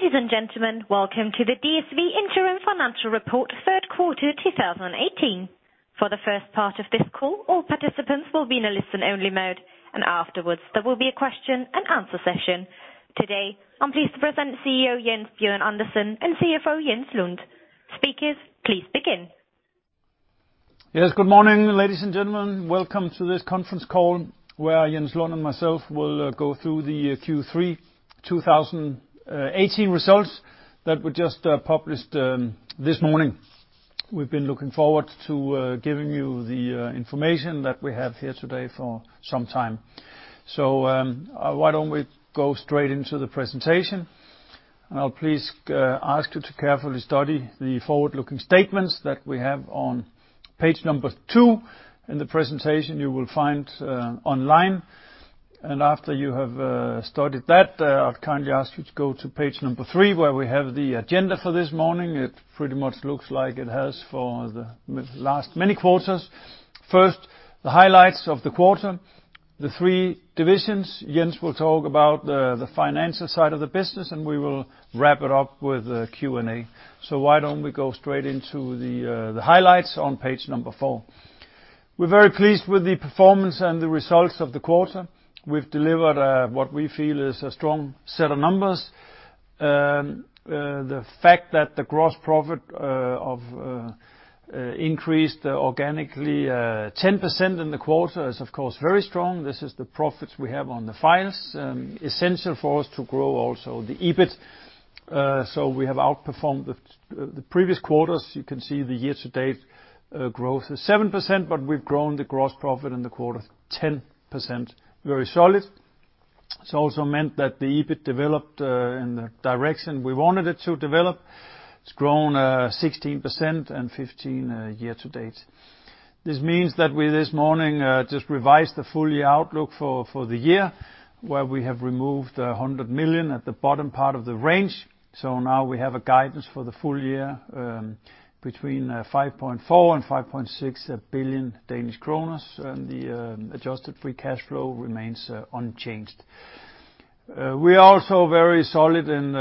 Ladies and gentlemen, welcome to the DSV Interim Financial Report, third quarter 2018. For the first part of this call, all participants will be in a listen-only mode, and afterwards there will be a question and answer session. Today, I'm pleased to present CEO Jens Bjørn Andersen and CFO Jens Lund. Speakers, please begin. Yes, good morning, ladies and gentlemen. Welcome to this conference call, where Jens Lund and myself will go through the Q3 2018 results that we just published this morning. Why don't we go straight into the presentation? I'll please ask you to carefully study the forward-looking statements that we have on page number two in the presentation you will find online. After you have studied that, I'd kindly ask you to go to page number three, where we have the agenda for this morning. It pretty much looks like it has for the last many quarters. First, the highlights of the quarter, the three divisions. Jens will talk about the financial side of the business, and we will wrap it up with a Q&A. Why don't we go straight into the highlights on page number four. We're very pleased with the performance and the results of the quarter. We've delivered what we feel is a strong set of numbers. The fact that the gross profit increased organically 10% in the quarter is, of course, very strong. This is the profits we have on the files, essential for us to grow also the EBIT. We have outperformed the previous quarters. You can see the year-to-date growth is 7%, but we've grown the gross profit in the quarter 10%, very solid. It's also meant that the EBIT developed in the direction we wanted it to develop. It's grown 16% and 15% year-to-date. This means that we, this morning, just revised the full-year outlook for the year, where we have removed 100 million at the bottom part of the range. Now we have a guidance for the full year between 5.4 billion and 5.6 billion Danish kroner, and the adjusted free cash flow remains unchanged. We are also very solid in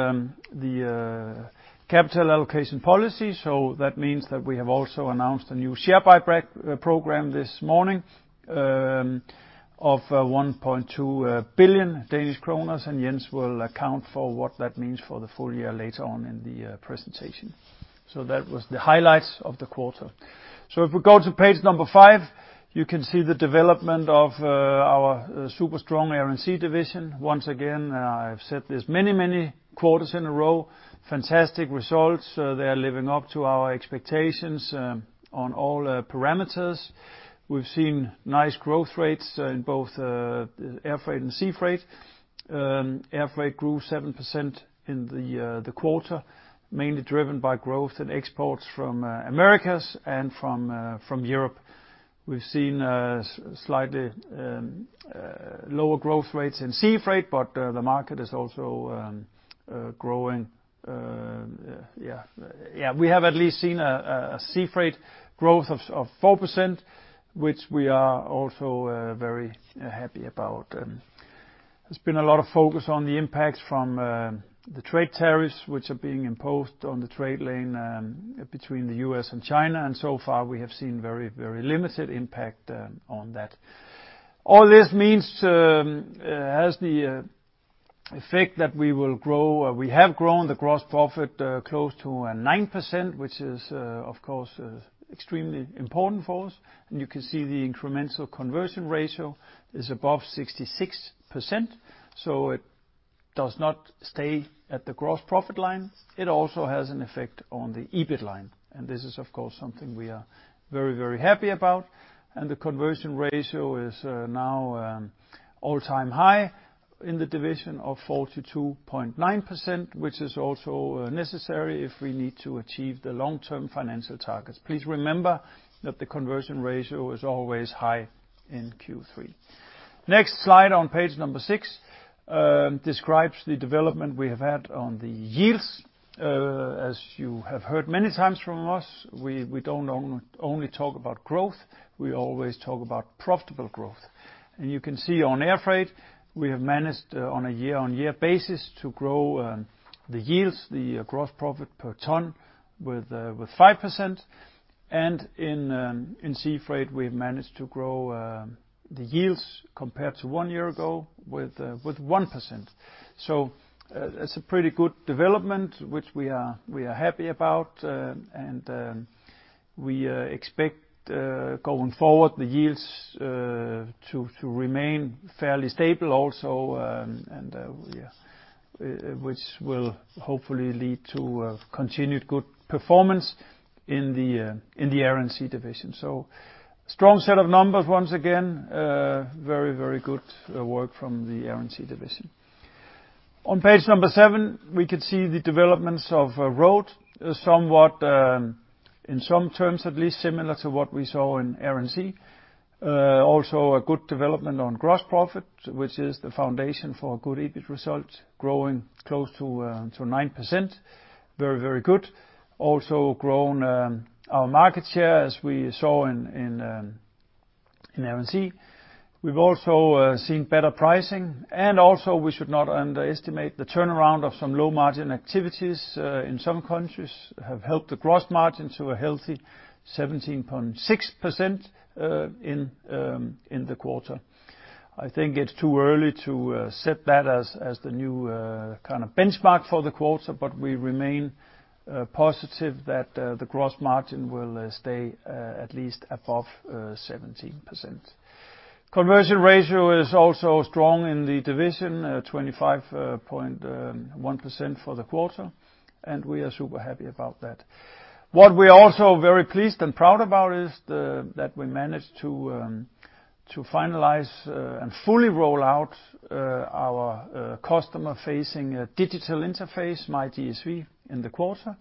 the capital allocation policy, that means that we have also announced a new share buyback program this morning of 1.2 billion Danish kroner, and Jens will account for what that means for the full year later on in the presentation. That was the highlights of the quarter. If we go to page number five, you can see the development of our super strong Air & Sea division. Once again, I've said this many quarters in a row, fantastic results. They are living up to our expectations on all parameters. We've seen nice growth rates in both air freight and sea freight. Air freight grew 7% in the quarter, mainly driven by growth in exports from Americas and from Europe. We have seen slightly lower growth rates in sea freight, but the market is also growing. We have at least seen a sea freight growth of 4%, which we are also very happy about. There has been a lot of focus on the impacts from the trade tariffs, which are being imposed on the trade lane between the U.S. and China, and so far we have seen very limited impact on that. All this means, has the effect that we have grown the gross profit close to 9%, which is, of course, extremely important for us. You can see the incremental conversion ratio is above 66%, so it does not stay at the gross profit line. It also has an effect on the EBIT line. This is, of course, something we are very, very happy about. The conversion ratio is now all-time high in the division of 42.9%, which is also necessary if we need to achieve the long-term financial targets. Please remember that the conversion ratio is always high in Q3. Next slide on page six describes the development we have had on the yields. As you have heard many times from us, we don't only talk about growth, we always talk about profitable growth. You can see on air freight, we have managed on a year-on-year basis to grow the yields, the gross profit per ton with 5%. In sea freight, we've managed to grow the yields compared to one year ago with 1%. It's a pretty good development, which we are happy about. We expect, going forward, the yields to remain fairly stable also, which will hopefully lead to continued good performance in the Air & Sea division. Strong set of numbers once again. Very good work from the Air & Sea division. On page seven, we could see the developments of Road, somewhat, in some terms at least, similar to what we saw in Air & Sea. Also a good development on gross profit, which is the foundation for a good EBIT result, growing close to 9%. Very good. Also grown our market share, as we saw in Air & Sea, we've also seen better pricing, and also we should not underestimate the turnaround of some low-margin activities in some countries have helped the gross margin to a healthy 17.6% in the quarter. I think it's too early to set that as the new kind of benchmark for the quarter, but we remain positive that the gross margin will stay at least above 17%. Conversion ratio is also strong in the division at 25.1% for the quarter, and we are super happy about that. What we're also very pleased and proud about is that we managed to finalize and fully roll out our customer-facing digital interface, myDSV, in the quarter.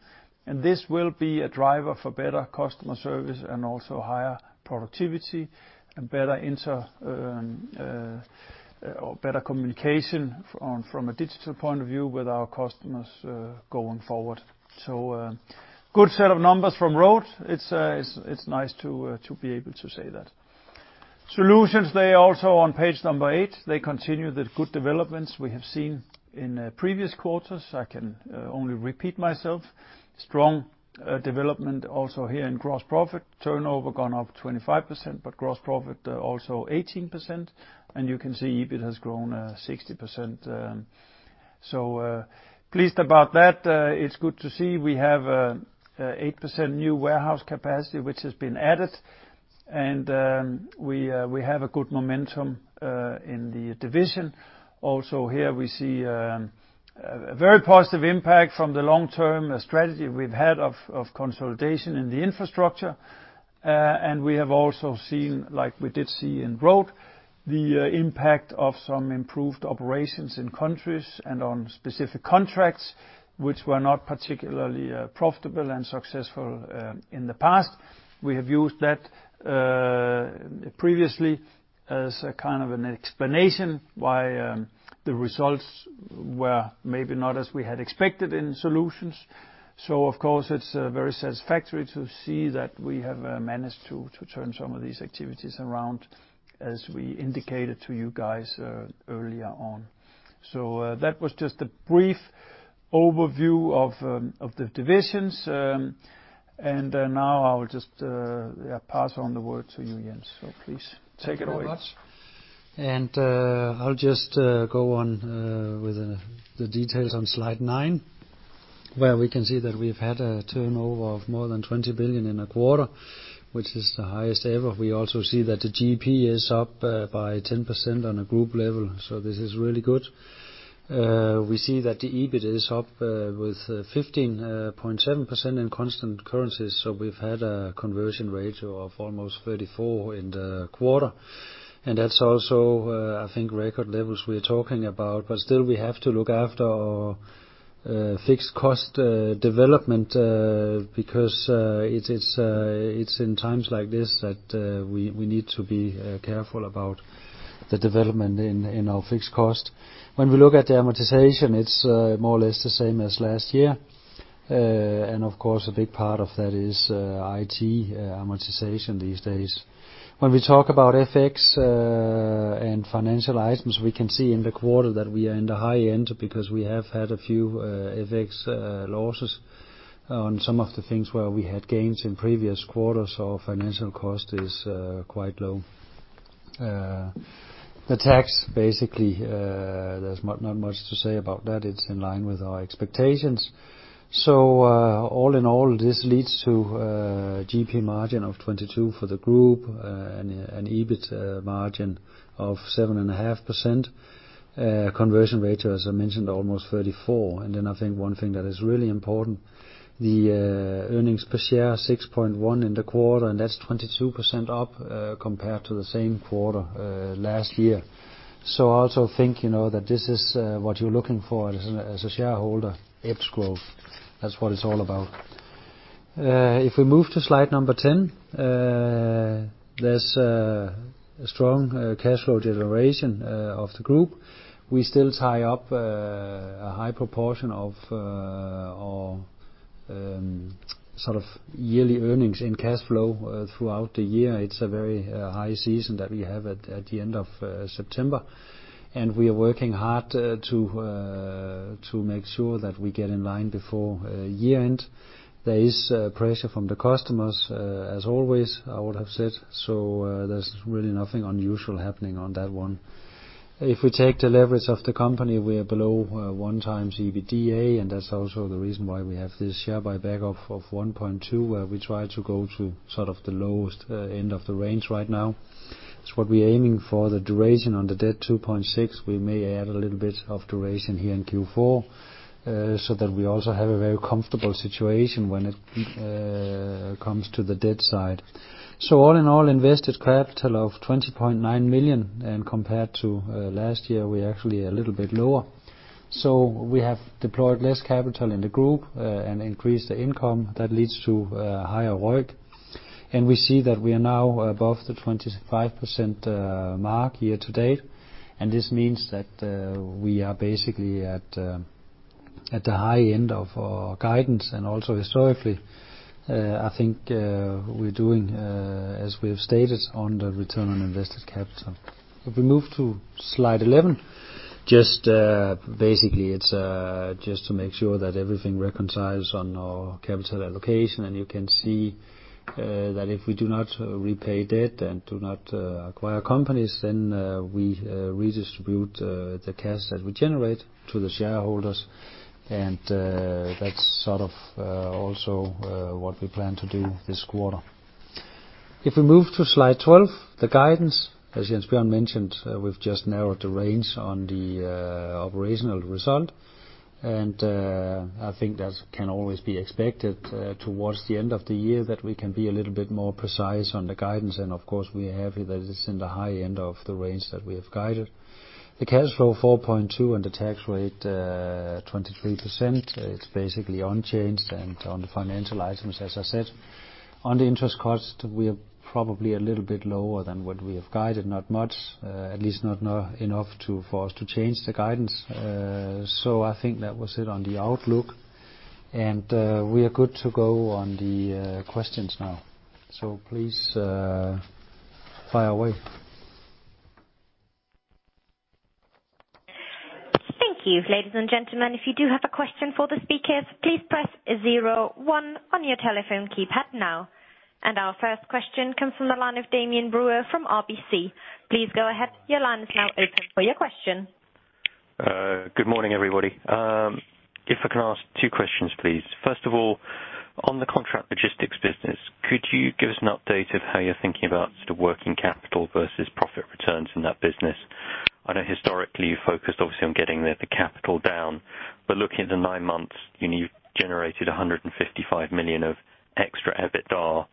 This will be a driver for better customer service and also higher productivity and better communication from a digital point of view with our customers going forward. A good set of numbers from Road. It's nice to be able to say that. Solutions, they also on page eight, they continue the good developments we have seen in previous quarters. I can only repeat myself. Strong development also here in gross profit. Turnover gone up 25%, but gross profit also 18%. EBIT has grown 60%. Pleased about that. It's good to see we have 8% new warehouse capacity, which has been added, and we have a good momentum in the division. Here we see a very positive impact from the long-term strategy we've had of consolidation in the infrastructure. We have also seen, like we did see in Road, the impact of some improved operations in countries and on specific contracts, which were not particularly profitable and successful in the past. We have used that previously as a kind of an explanation why the results were maybe not as we had expected in Solutions. Of course, it's very satisfactory to see that we have managed to turn some of these activities around, as we indicated to you guys earlier on. That was just a brief overview of the divisions. Now I will just pass on the word to you, Jens. Please take it away. Thank you very much. I'll just go on with the details on slide nine, where we can see that we've had a turnover of more than 20 billion in a quarter, which is the highest ever. We also see that the GP is up by 10% on a group level, this is really good. We see that the EBIT is up with 15.7% in constant currencies, so we've had a conversion rate of almost 34% in the quarter. That's also, I think, record levels we're talking about. Still we have to look after our fixed cost development because it's in times like this that we need to be careful about the development in our fixed cost. When we look at the amortization, it's more or less the same as last year. Of course, a big part of that is IT amortization these days. When we talk about FX and financial items, we can see in the quarter that we are in the high end because we have had a few FX losses on some of the things where we had gains in previous quarters. Financial cost is quite low. The tax, basically there's not much to say about that. It's in line with our expectations. All in all, this leads to a GP margin of 22% for the group and an EBIT margin of 7.5%. Conversion rate, as I mentioned, almost 34%. Then I think one thing that is really important, the earnings per share, 6.1 in the quarter, and that's 22% up compared to the same quarter last year. I also think that this is what you're looking for as a shareholder, EPS growth. That's what it's all about. If we move to slide 10, there is strong cash flow generation of the group. We still tie up a high proportion of yearly earnings in cash flow throughout the year. It is a very high season that we have at the end of September, and we are working hard to make sure that we get in line before year-end. There is pressure from the customers as always, I would have said. There is really nothing unusual happening on that one. If we take the leverage of the company, we are below 1x EBITDA, and that is also the reason why we have this share buyback of 1.2 billion, where we try to go to sort of the lowest end of the range right now. It is what we are aiming for. The duration on the debt, 2.6. We may add a little bit of duration here in Q4 so that we also have a very comfortable situation when it comes to the debt side. All in all, invested capital of 20.9 million, and compared to last year, we are actually a little bit lower. We have deployed less capital in the group and increased the income that leads to higher ROIC. We see that we are now above the 25% mark year to date. This means that we are basically at the high end of our guidance and also historically, I think we are doing as we have stated on the return on invested capital. If we move to slide 11, just basically it is just to make sure that everything reconciles on our capital allocation. You can see that if we do not repay debt and do not acquire companies, then we redistribute the cash that we generate to the shareholders. That is sort of also what we plan to do this quarter. If we move to slide 12, the guidance, as Jens Bjørn mentioned, we have just narrowed the range on the operational result, and I think that can always be expected towards the end of the year that we can be a little bit more precise on the guidance. Of course, we are happy that it is in the high end of the range that we have guided. The cash flow 4.2 and the tax rate 23%, it is basically unchanged and on the financial items, as I said. On the interest cost, we are probably a little bit lower than what we have guided, not much, at least not enough for us to change the guidance. I think that was it on the outlook, and we are good to go on the questions now. Please, fire away. Thank you. Ladies and gentlemen, if you do have a question for the speakers, please press 01 on your telephone keypad now. Our first question comes from the line of Damian Brewer from RBC. Please go ahead. Your line is now open for your question. Good morning, everybody. If I can ask two questions, please. First of all, on the Contract Logistics business, could you give us an update of how you're thinking about the working capital versus profit returns in that business? I know historically you focused obviously on getting the capital down, but looking at the nine months, you've generated 155 million of extra EBITDA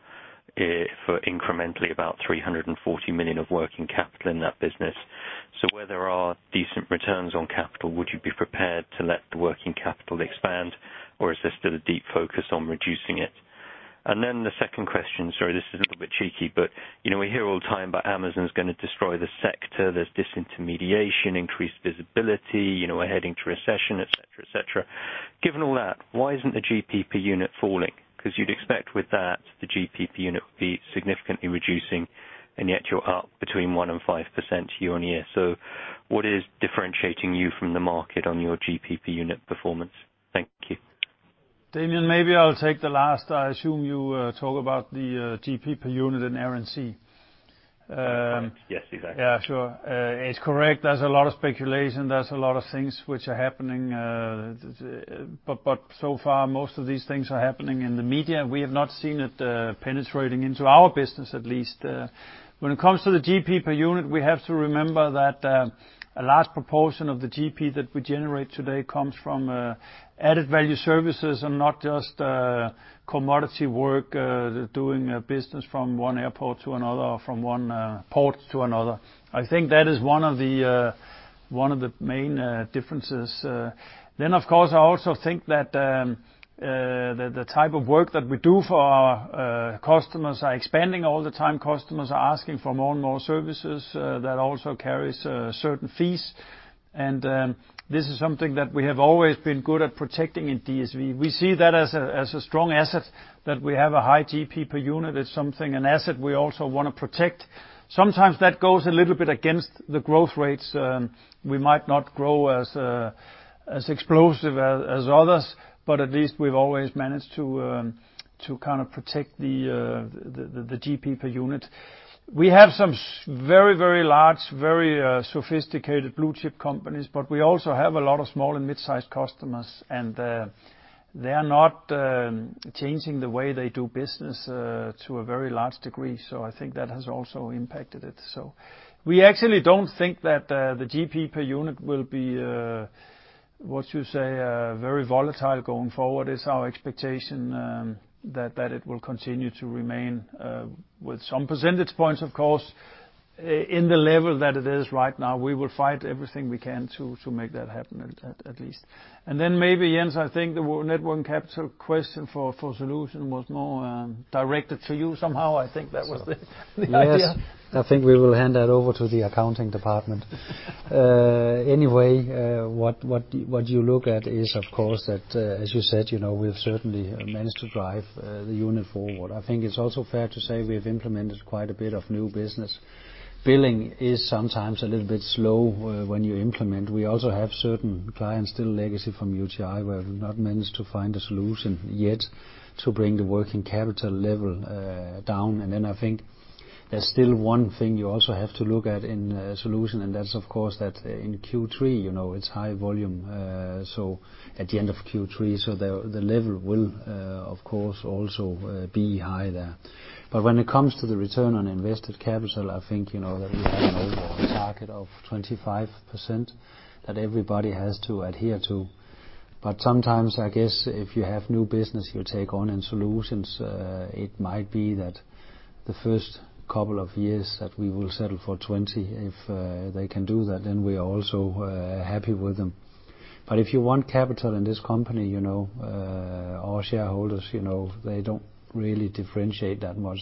for incrementally about 340 million of working capital in that business. Where there are decent returns on capital, would you be prepared to let the working capital expand or is this still a deep focus on reducing it? The second question, sorry, this is a little bit cheeky, but we hear all the time about Amazon's going to destroy the sector. There's disintermediation, increased visibility, we're heading to recession, et cetera. Given all that, why isn't the GP per unit falling? You'd expect with that, the GP per unit would be significantly reducing, and yet you're up between 1%-5% year-on-year. What is differentiating you from the market on your GP per unit performance? Thank you. Damian, maybe I'll take the last. I assume you talk about the GP per unit in RBC. Yes, exactly. Yes, sure. It's correct. There's a lot of speculation. There's a lot of things which are happening. So far most of these things are happening in the media. We have not seen it penetrating into our business, at least. When it comes to the GP per unit, we have to remember that a large proportion of the GP that we generate today comes from added value services and not just commodity work, doing business from one airport to another or from one port to another. I think that is one of the main differences. Of course, I also think that the type of work that we do for our customers are expanding all the time. Customers are asking for more and more services that also carries certain fees. This is something that we have always been good at protecting in DSV. We see that as a strong asset, that we have a high GP per unit. It's something, an asset we also want to protect. Sometimes that goes a little bit against the growth rates. We might not grow as explosive as others, but at least we've always managed to kind of protect the GP per unit. We have some very large, very sophisticated blue-chip companies, but we also have a lot of small and mid-sized customers, and they are not changing the way they do business to a very large degree. I think that has also impacted it. We actually don't think that the GP per unit will be, what you say, very volatile going forward. It's our expectation that it will continue to remain with some percentage points, of course, in the level that it is right now. We will fight everything we can to make that happen at least. Maybe, Jens, I think the net working capital question for Solutions was more directed to you somehow. I think that was the idea. Yes. I think we will hand that over to the accounting department. Anyway, what you look at is, of course, that as you said, we've certainly managed to drive the unit forward. I think it's also fair to say we have implemented quite a bit of new business. Billing is sometimes a little bit slow when you implement. We also have certain clients, still legacy from UTi, where we've not managed to find a solution yet to bring the working capital level down. I think there's still one thing you also have to look at in Solutions, and that's of course, that in Q3 it's high volume. At the end of Q3, the level will of course also be high there. When it comes to the return on invested capital, I think that we have an overall target of 25% that everybody has to adhere to. Sometimes, I guess if you have new business you take on in Solutions, it might be that the first couple of years that we will settle for 20. If they can do that, we are also happy with them. If you want capital in this company, our shareholders, they don't really differentiate that much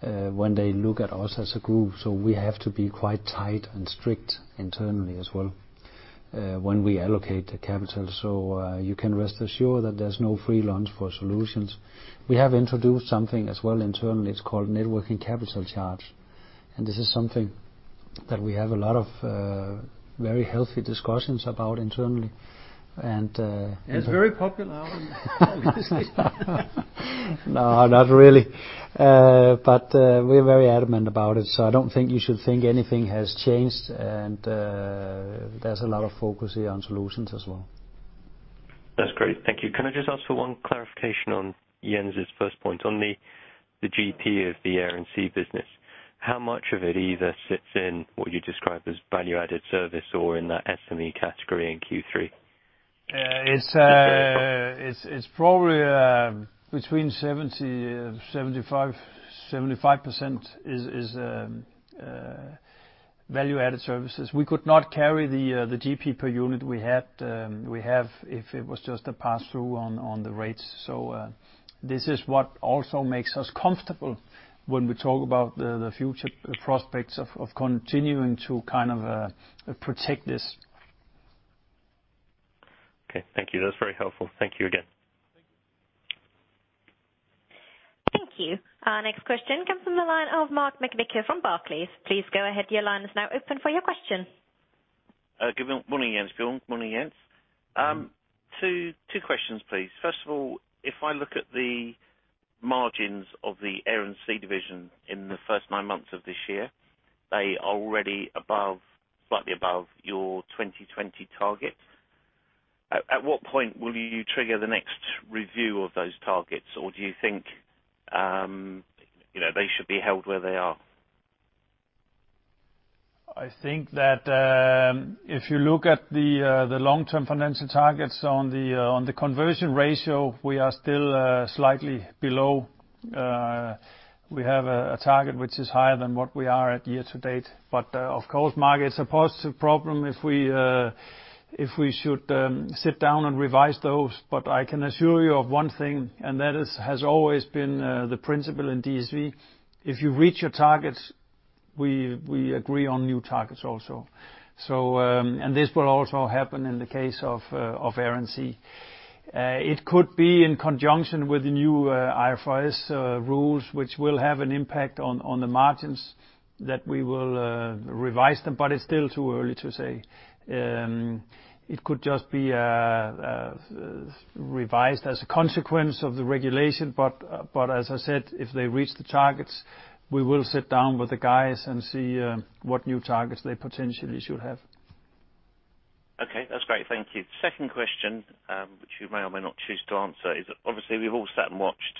when they look at us as a group. We have to be quite tight and strict internally as well. when we allocate the capital. You can rest assured that there's no free lunch for Solutions. We have introduced something as well internally, it's called net working capital charge. This is something that we have a lot of very healthy discussions about internally. It's very popular. No, not really. We're very adamant about it. I don't think you should think anything has changed, and there's a lot of focus here on Solutions as well. That's great. Thank you. Can I just ask for one clarification on Jens' first point on the GP of the Air & Sea business. How much of it either sits in what you describe as value-added service or in that SME category in Q3? It's probably between 70% and 75%. 75% is value-added services. We could not carry the GP per unit we have if it was just a pass-through on the rates. This is what also makes us comfortable when we talk about the future prospects of continuing to kind of protect this. Okay. Thank you. That's very helpful. Thank you again. Thank you. Our next question comes from the line of Mark McVicar from Barclays. Please go ahead. Your line is now open for your question. Good morning, Jens Bjørn. Morning, Jens. Hi. Two questions, please. First of all, if I look at the margins of the Air & Sea division in the first nine months of this year, they are already slightly above your 2020 target. At what point will you trigger the next review of those targets? Do you think they should be held where they are? I think that, if you look at the long-term financial targets on the conversion ratio, we are still slightly below. We have a target which is higher than what we are at year to date. Of course, Mark, it's a positive problem if we should sit down and revise those. I can assure you of one thing, and that has always been the principle in DSV. If you reach your targets, we agree on new targets also. This will also happen in the case of Air & Sea. It could be in conjunction with the new IFRS rules, which will have an impact on the margins that we will revise them, but it's still too early to say. It could just be revised as a consequence of the regulation. As I said, if they reach the targets, we will sit down with the guys and see what new targets they potentially should have. Okay. That's great. Thank you. Second question, which you may or may not choose to answer is, obviously, we've all sat and watched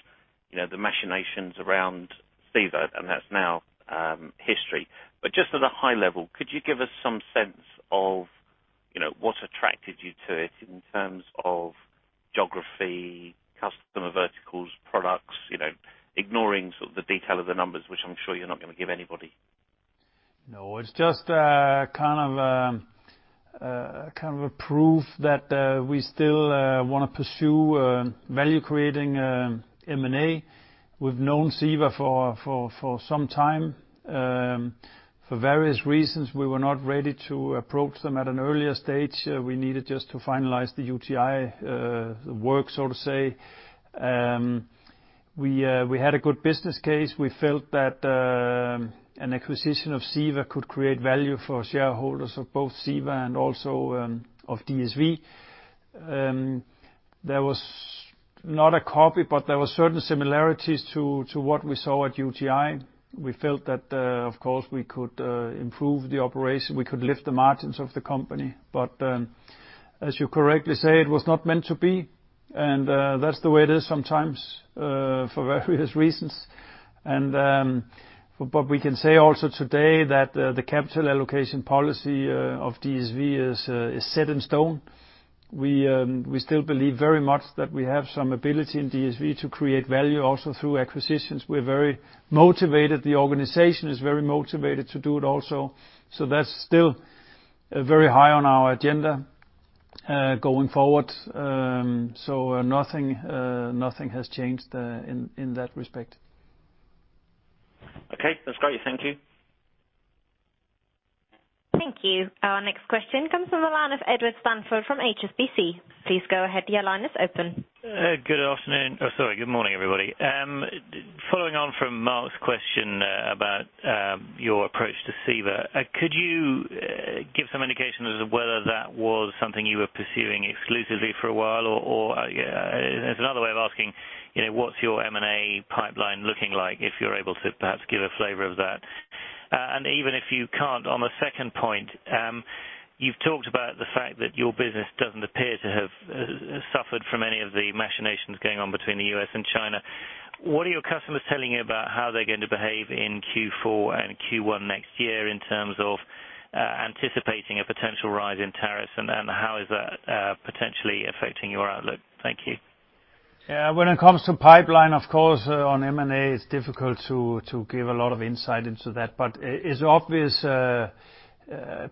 the machinations around CEVA, and that's now history. Just at a high level, could you give us some sense of what attracted you to it in terms of geography, customer verticals, products, ignoring sort of the detail of the numbers, which I'm sure you're not going to give anybody. No. It's just kind of a proof that we still want to pursue value-creating M&A. We've known CEVA for some time. For various reasons, we were not ready to approach them at an earlier stage. We needed just to finalize the UTi work, so to say. We had a good business case. We felt that an acquisition of CEVA could create value for shareholders of both CEVA and also of DSV. There was not a copy, but there were certain similarities to what we saw at UTi. We felt that, of course, we could improve the operation, we could lift the margins of the company. As you correctly say, it was not meant to be. That's the way it is sometimes for various reasons. We can say also today that the capital allocation policy of DSV is set in stone. We still believe very much that we have some ability in DSV to create value also through acquisitions. We're very motivated. The organization is very motivated to do it also. That's still very high on our agenda going forward. Nothing has changed in that respect. Okay. That's great. Thank you. Thank you. Our next question comes from the line of Edward Stanford from HSBC. Please go ahead. Your line is open. Good afternoon. Oh, sorry. Good morning, everybody. Following on from Mark's question about your approach to CEVA, could you give some indication as of whether that was something you were pursuing exclusively for a while? As another way of asking, what's your M&A pipeline looking like, if you're able to perhaps give a flavor of that? Even if you can't, on a second point, you've talked about the fact that your business doesn't appear to have suffered from any of the machinations going on between the U.S. and China. What are your customers telling you about how they're going to behave in Q4 and Q1 next year in terms of anticipating a potential rise in tariffs, and how is that potentially affecting your outlook? Thank you. When it comes to pipeline, of course, on M&A, it's difficult to give a lot of insight into that. It's obvious,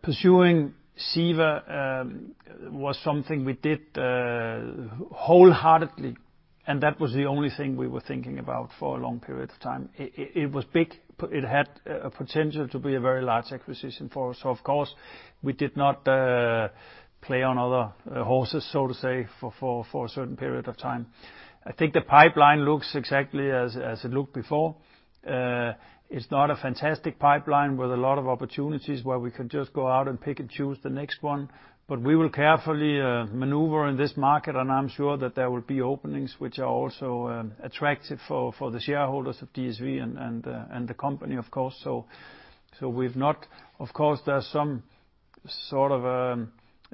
pursuing CEVA was something we did wholeheartedly. That was the only thing we were thinking about for a long period of time. It was big. It had a potential to be a very large acquisition for us. Of course, we did not play on other horses, so to say, for a certain period of time. I think the pipeline looks exactly as it looked before. It's not a fantastic pipeline with a lot of opportunities where we can just go out and pick and choose the next one, we will carefully maneuver in this market, and I'm sure that there will be openings which are also attractive for the shareholders of DSV and the company, of course. Of course, there's some sort of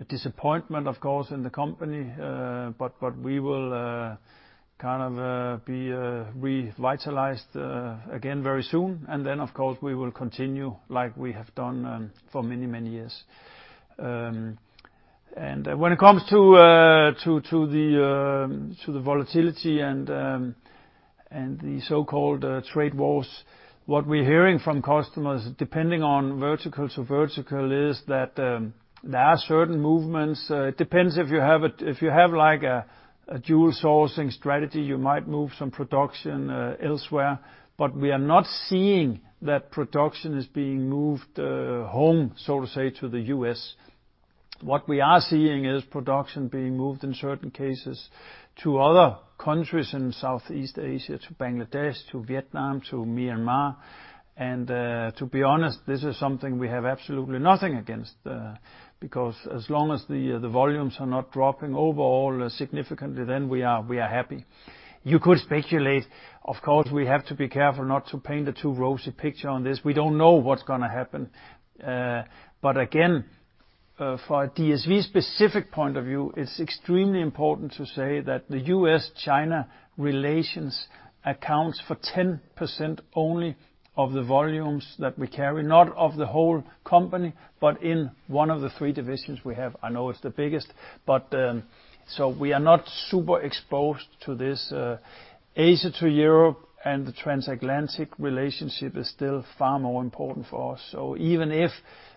disappointment, of course, in the company. We will kind of be revitalized again very soon. Of course, we will continue like we have done for many, many years. When it comes to the volatility and the so-called trade wars, what we're hearing from customers, depending on vertical to vertical, is that there are certain movements. It depends if you have a dual sourcing strategy, you might move some production elsewhere. We are not seeing that production is being moved home, so to say, to the U.S. What we are seeing is production being moved, in certain cases, to other countries in Southeast Asia, to Bangladesh, to Vietnam, to Myanmar. To be honest, this is something we have absolutely nothing against. As long as the volumes are not dropping overall significantly, then we are happy. You could speculate. Of course, we have to be careful not to paint a too rosy picture on this. We don't know what's going to happen. Again, for a DSV specific point of view, it's extremely important to say that the U.S.-China relations accounts for 10% only of the volumes that we carry, not of the whole company, but in one of the three divisions we have. I know it's the biggest. We are not super exposed to this. Asia to Europe and the transatlantic relationship is still far more important for us. Even if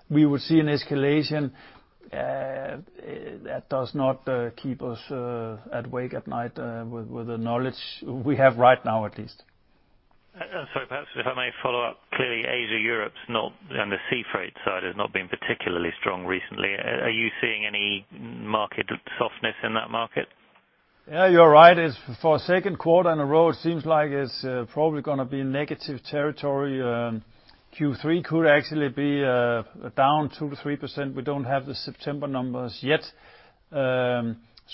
we would see an escalation, that does not keep us awake at night with the knowledge we have right now, at least. Sorry, perhaps, if I may follow up. Clearly, Asia-Europe and the sea freight side has not been particularly strong recently. Are you seeing any market softness in that market? Yeah, you're right. For a second quarter in a row, it seems like it's probably going to be negative territory. Q3 could actually be down 2%-3%. We don't have the September numbers yet.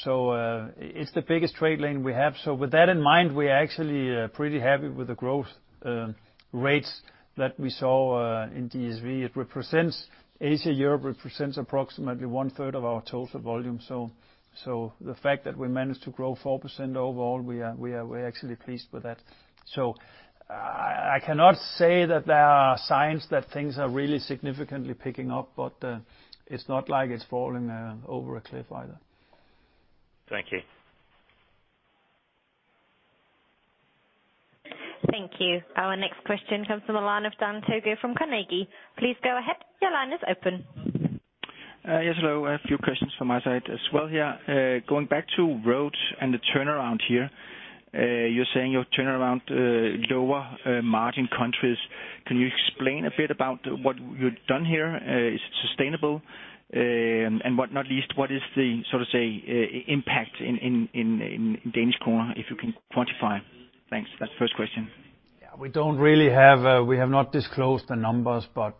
It's the biggest trade lane we have. With that in mind, we're actually pretty happy with the growth rates that we saw in DSV. Asia-Europe represents approximately 1/3 of our total volume. The fact that we managed to grow 4% overall, we're actually pleased with that. I cannot say that there are signs that things are really significantly picking up, but it's not like it's falling over a cliff either. Thank you. Thank you. Our next question comes from the line of Dan Togo from Carnegie. Please go ahead. Your line is open. Yes, hello. I have a few questions from my side as well here. Going back to Road and the turnaround here. You're saying you'll turn around lower margin countries. Can you explain a bit about what you've done here? Is it sustainable? What, not least, what is the, so to say, impact in DKK, if you can quantify? Thanks. That's the first question. Yeah, we have not disclosed the numbers, but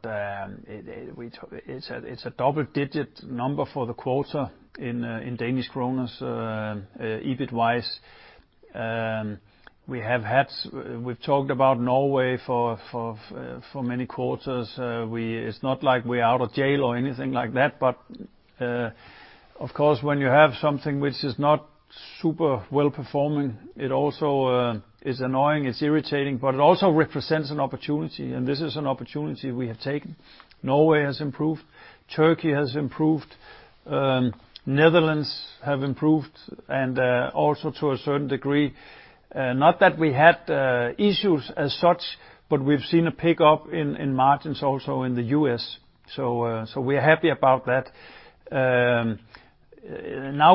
it's a double-digit number for the quarter in DKK, EBIT-wise. We've talked about Norway for many quarters. It's not like we're out of jail or anything like that, but of course, when you have something which is not super well-performing, it also is annoying, it's irritating, but it also represents an opportunity, and this is an opportunity we have taken. Norway has improved, Turkey has improved, Netherlands have improved, also to a certain degree, not that we had issues as such, but we've seen a pickup in margins also in the U.S., so we're happy about that.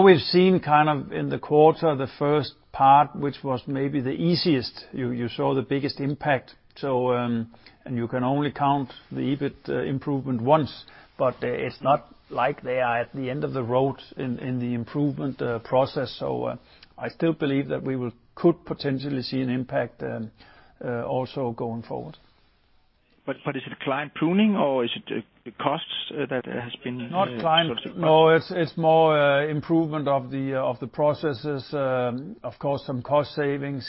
We've seen kind of in the quarter, the first part, which was maybe the easiest, you saw the biggest impact. You can only count the EBIT improvement once. It's not like they are at the end of the road in the improvement process. I still believe that we could potentially see an impact also going forward. Is it client pruning or is it the costs that has been- Not client. No, it's more improvement of the processes. Of course, some cost savings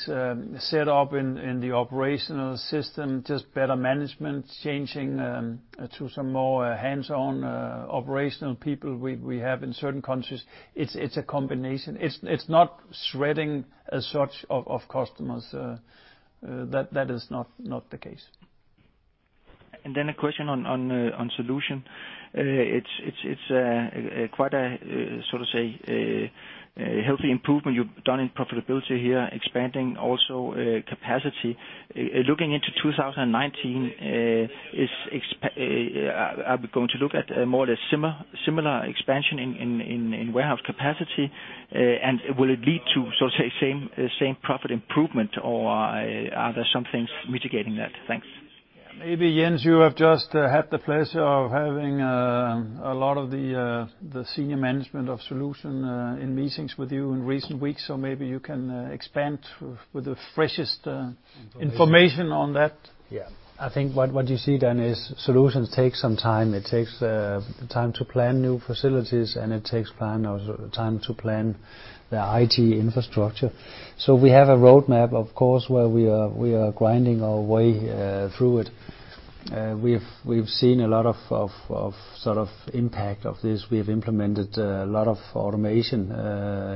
set up in the operational system, just better management, changing to some more hands-on operational people we have in certain countries. It's a combination. It's not shredding as such of customers. That is not the case. A question on Solutions. It's quite a, so to say, a healthy improvement you've done in profitability here, expanding also capacity. Looking into 2019, are we going to look at more or less similar expansion in warehouse capacity? Will it lead to, so to say, same profit improvement, or are there some things mitigating that? Thanks. Maybe, Jens, you have just had the pleasure of having a lot of the senior management of Solutions in meetings with you in recent weeks, maybe you can expand with the freshest information on that. I think what you see then is Solutions takes some time. It takes time to plan new facilities, it takes time to plan the IT infrastructure. We have a roadmap, of course, where we are grinding our way through it. We've seen a lot of impact of this. We have implemented a lot of automation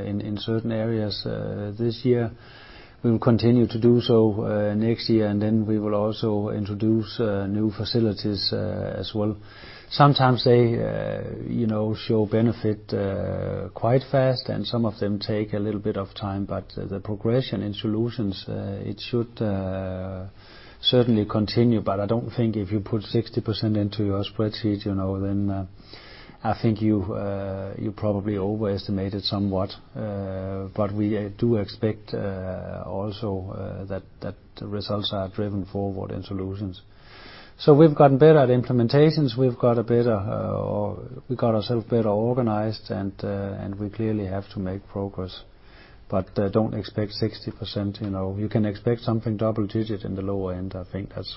in certain areas this year. We will continue to do so next year, we will also introduce new facilities as well. Sometimes they show benefit quite fast and some of them take a little bit of time, the progression in Solutions, it should certainly continue. I don't think if you put 60% into your spreadsheet, I think you probably overestimated somewhat. We do expect also that the results are driven forward in Solutions. We've gotten better at implementations. We've got ourselves better organized and we clearly have to make progress. Don't expect 60%. You can expect something double-digit in the lower end. I think that's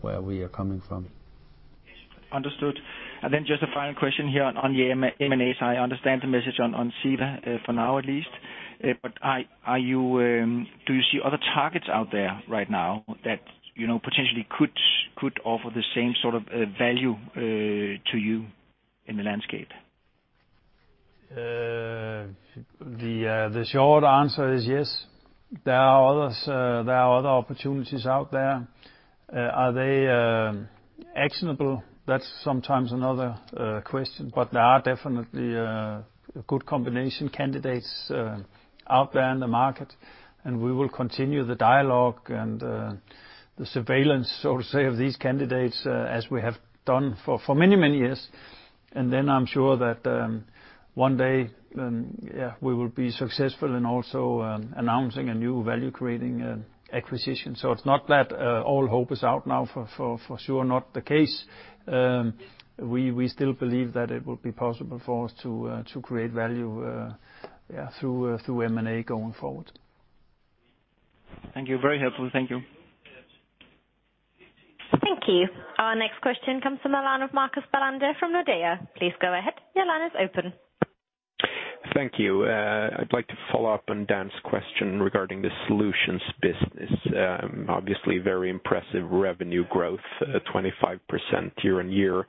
where we are coming from. Understood. Just a final question here on the M&As. I understand the message on CEVA, for now at least. Do you see other targets out there right now that potentially could offer the same sort of value to you in the landscape? The short answer is yes. There are other opportunities out there. Are they actionable? That's sometimes another question. There are definitely good combination candidates out there in the market, and we will continue the dialogue and the surveillance, so to say, of these candidates as we have done for many years. I'm sure that one day, we will be successful in also announcing a new value-creating acquisition. It's not that all hope is out now, for sure not the case. We still believe that it will be possible for us to create value through M&A going forward. Thank you. Very helpful. Thank you. Thank you. Our next question comes from the line of Marcus Balander from Nordea. Please go ahead. Your line is open. Thank you. I'd like to follow up on Dan's question regarding the Solutions business. Obviously very impressive revenue growth, 25% year-over-year.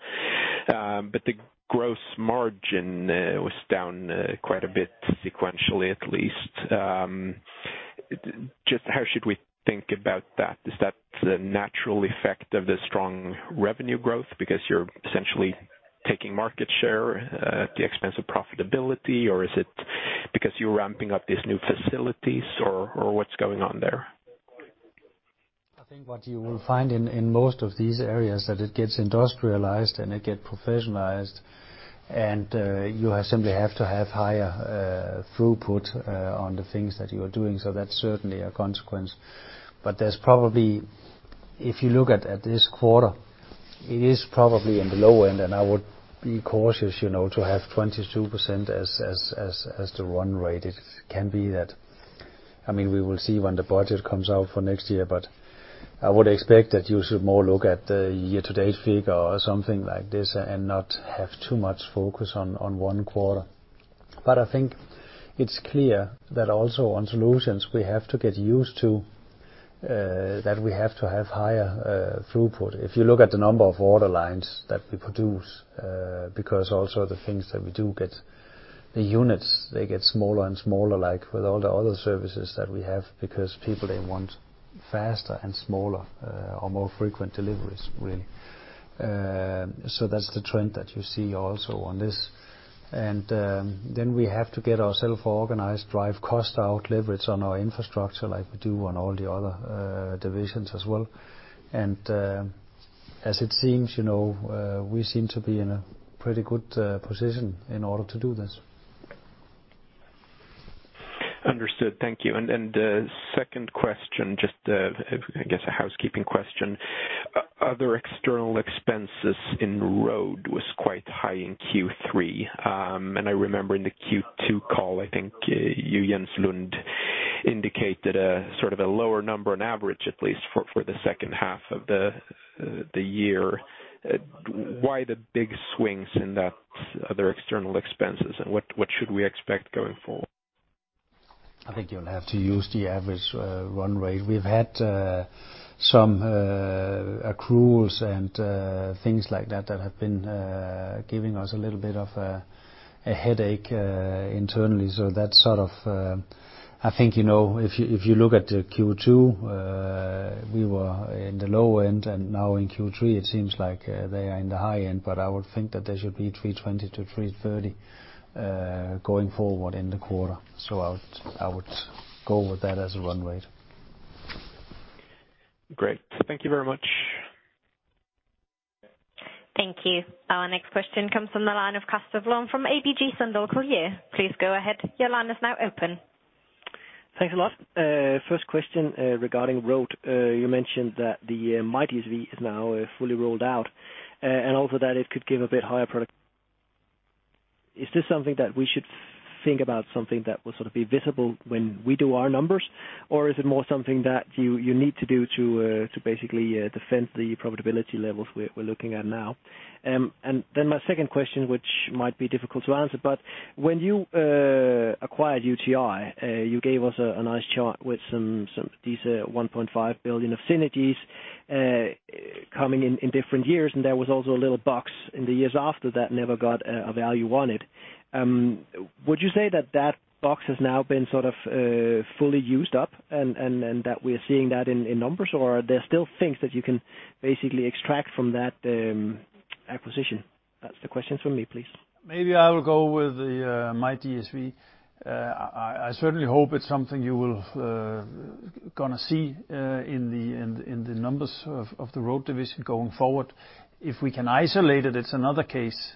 The gross margin was down quite a bit sequentially at least. Just how should we think about that? Is that the natural effect of the strong revenue growth because you're essentially taking market share at the expense of profitability, or is it because you're ramping up these new facilities, or what's going on there? I think what you will find in most of these areas, that it gets industrialized and it get professionalized and you simply have to have higher throughput on the things that you are doing. That's certainly a consequence. If you look at this quarter, it is probably in the low end, and I would be cautious to have 22% as the run rate. We will see when the budget comes out for next year, but I would expect that you should more look at the year-to-date figure or something like this and not have too much focus on one quarter. I think it's clear that also on Solutions, we have to get used to that we have to have higher throughput. If you look at the number of order lines that we produce, because also the things that we do, the units, they get smaller and smaller like with all the other services that we have, because people, they want faster and smaller, or more frequent deliveries, really. That's the trend that you see also on this. We have to get ourself organized, drive cost out, leverage on our infrastructure like we do on all the other divisions as well. As it seems, we seem to be in a pretty good position in order to do this. Understood. Thank you. Second question, just I guess a housekeeping question. Other external expenses in Road was quite high in Q3. I remember in the Q2 call, I think you, Jens Lund, indicated a sort of a lower number on average, at least for the second half of the year. Why the big swings in that other external expenses and what should we expect going forward? I think you'll have to use the average run rate. We've had some accruals and things like that that have been giving us a little bit of a headache internally. I think if you look at the Q2, we were in the low end, and now in Q3 it seems like they are in the high end. I would think that they should be 320-330 going forward in the quarter. I would go with that as a run rate. Great. Thank you very much. Thank you. Our next question comes from the line of Casper Lund from ABG Sundal Collier. Please go ahead. Your line is now open. Thanks a lot. First question regarding Road. You mentioned that the myDSV is now fully rolled out, also that it could give a bit higher product. Is this something that we should think about something that will sort of be visible when we do our numbers? Is it more something that you need to do to basically defend the profitability levels we're looking at now? My second question, which might be difficult to answer, but when you acquired UTi, you gave us a nice chart with these 1.5 billion of synergies coming in different years, and there was also a little box in the years after that never got a value on it. Would you say that that box has now been sort of fully used up and that we're seeing that in numbers? Are there still things that you can basically extract from that acquisition? That's the questions from me, please. Maybe I will go with the myDSV. I certainly hope it's something you will going to see in the numbers of the Road division going forward. If we can isolate it's another case.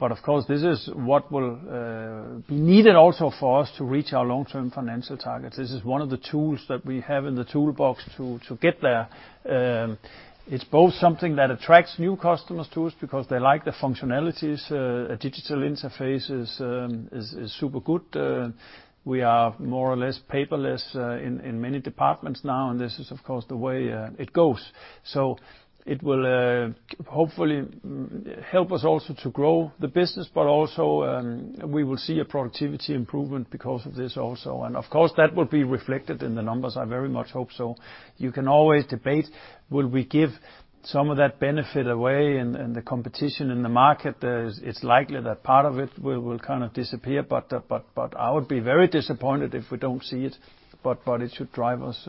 Of course, this is what will be needed also for us to reach our long-term financial targets. This is one of the tools that we have in the toolbox to get there. It's both something that attracts new customers to us because they like the functionalities. A digital interface is super good. We are more or less paperless in many departments now, and this is of course, the way it goes. It will hopefully help us also to grow the business, but also, we will see a productivity improvement because of this also. Of course, that will be reflected in the numbers, I very much hope so. You can always debate, will we give some of that benefit away in the competition in the market? It's likely that part of it will kind of disappear, but I would be very disappointed if we don't see it, but it should drive us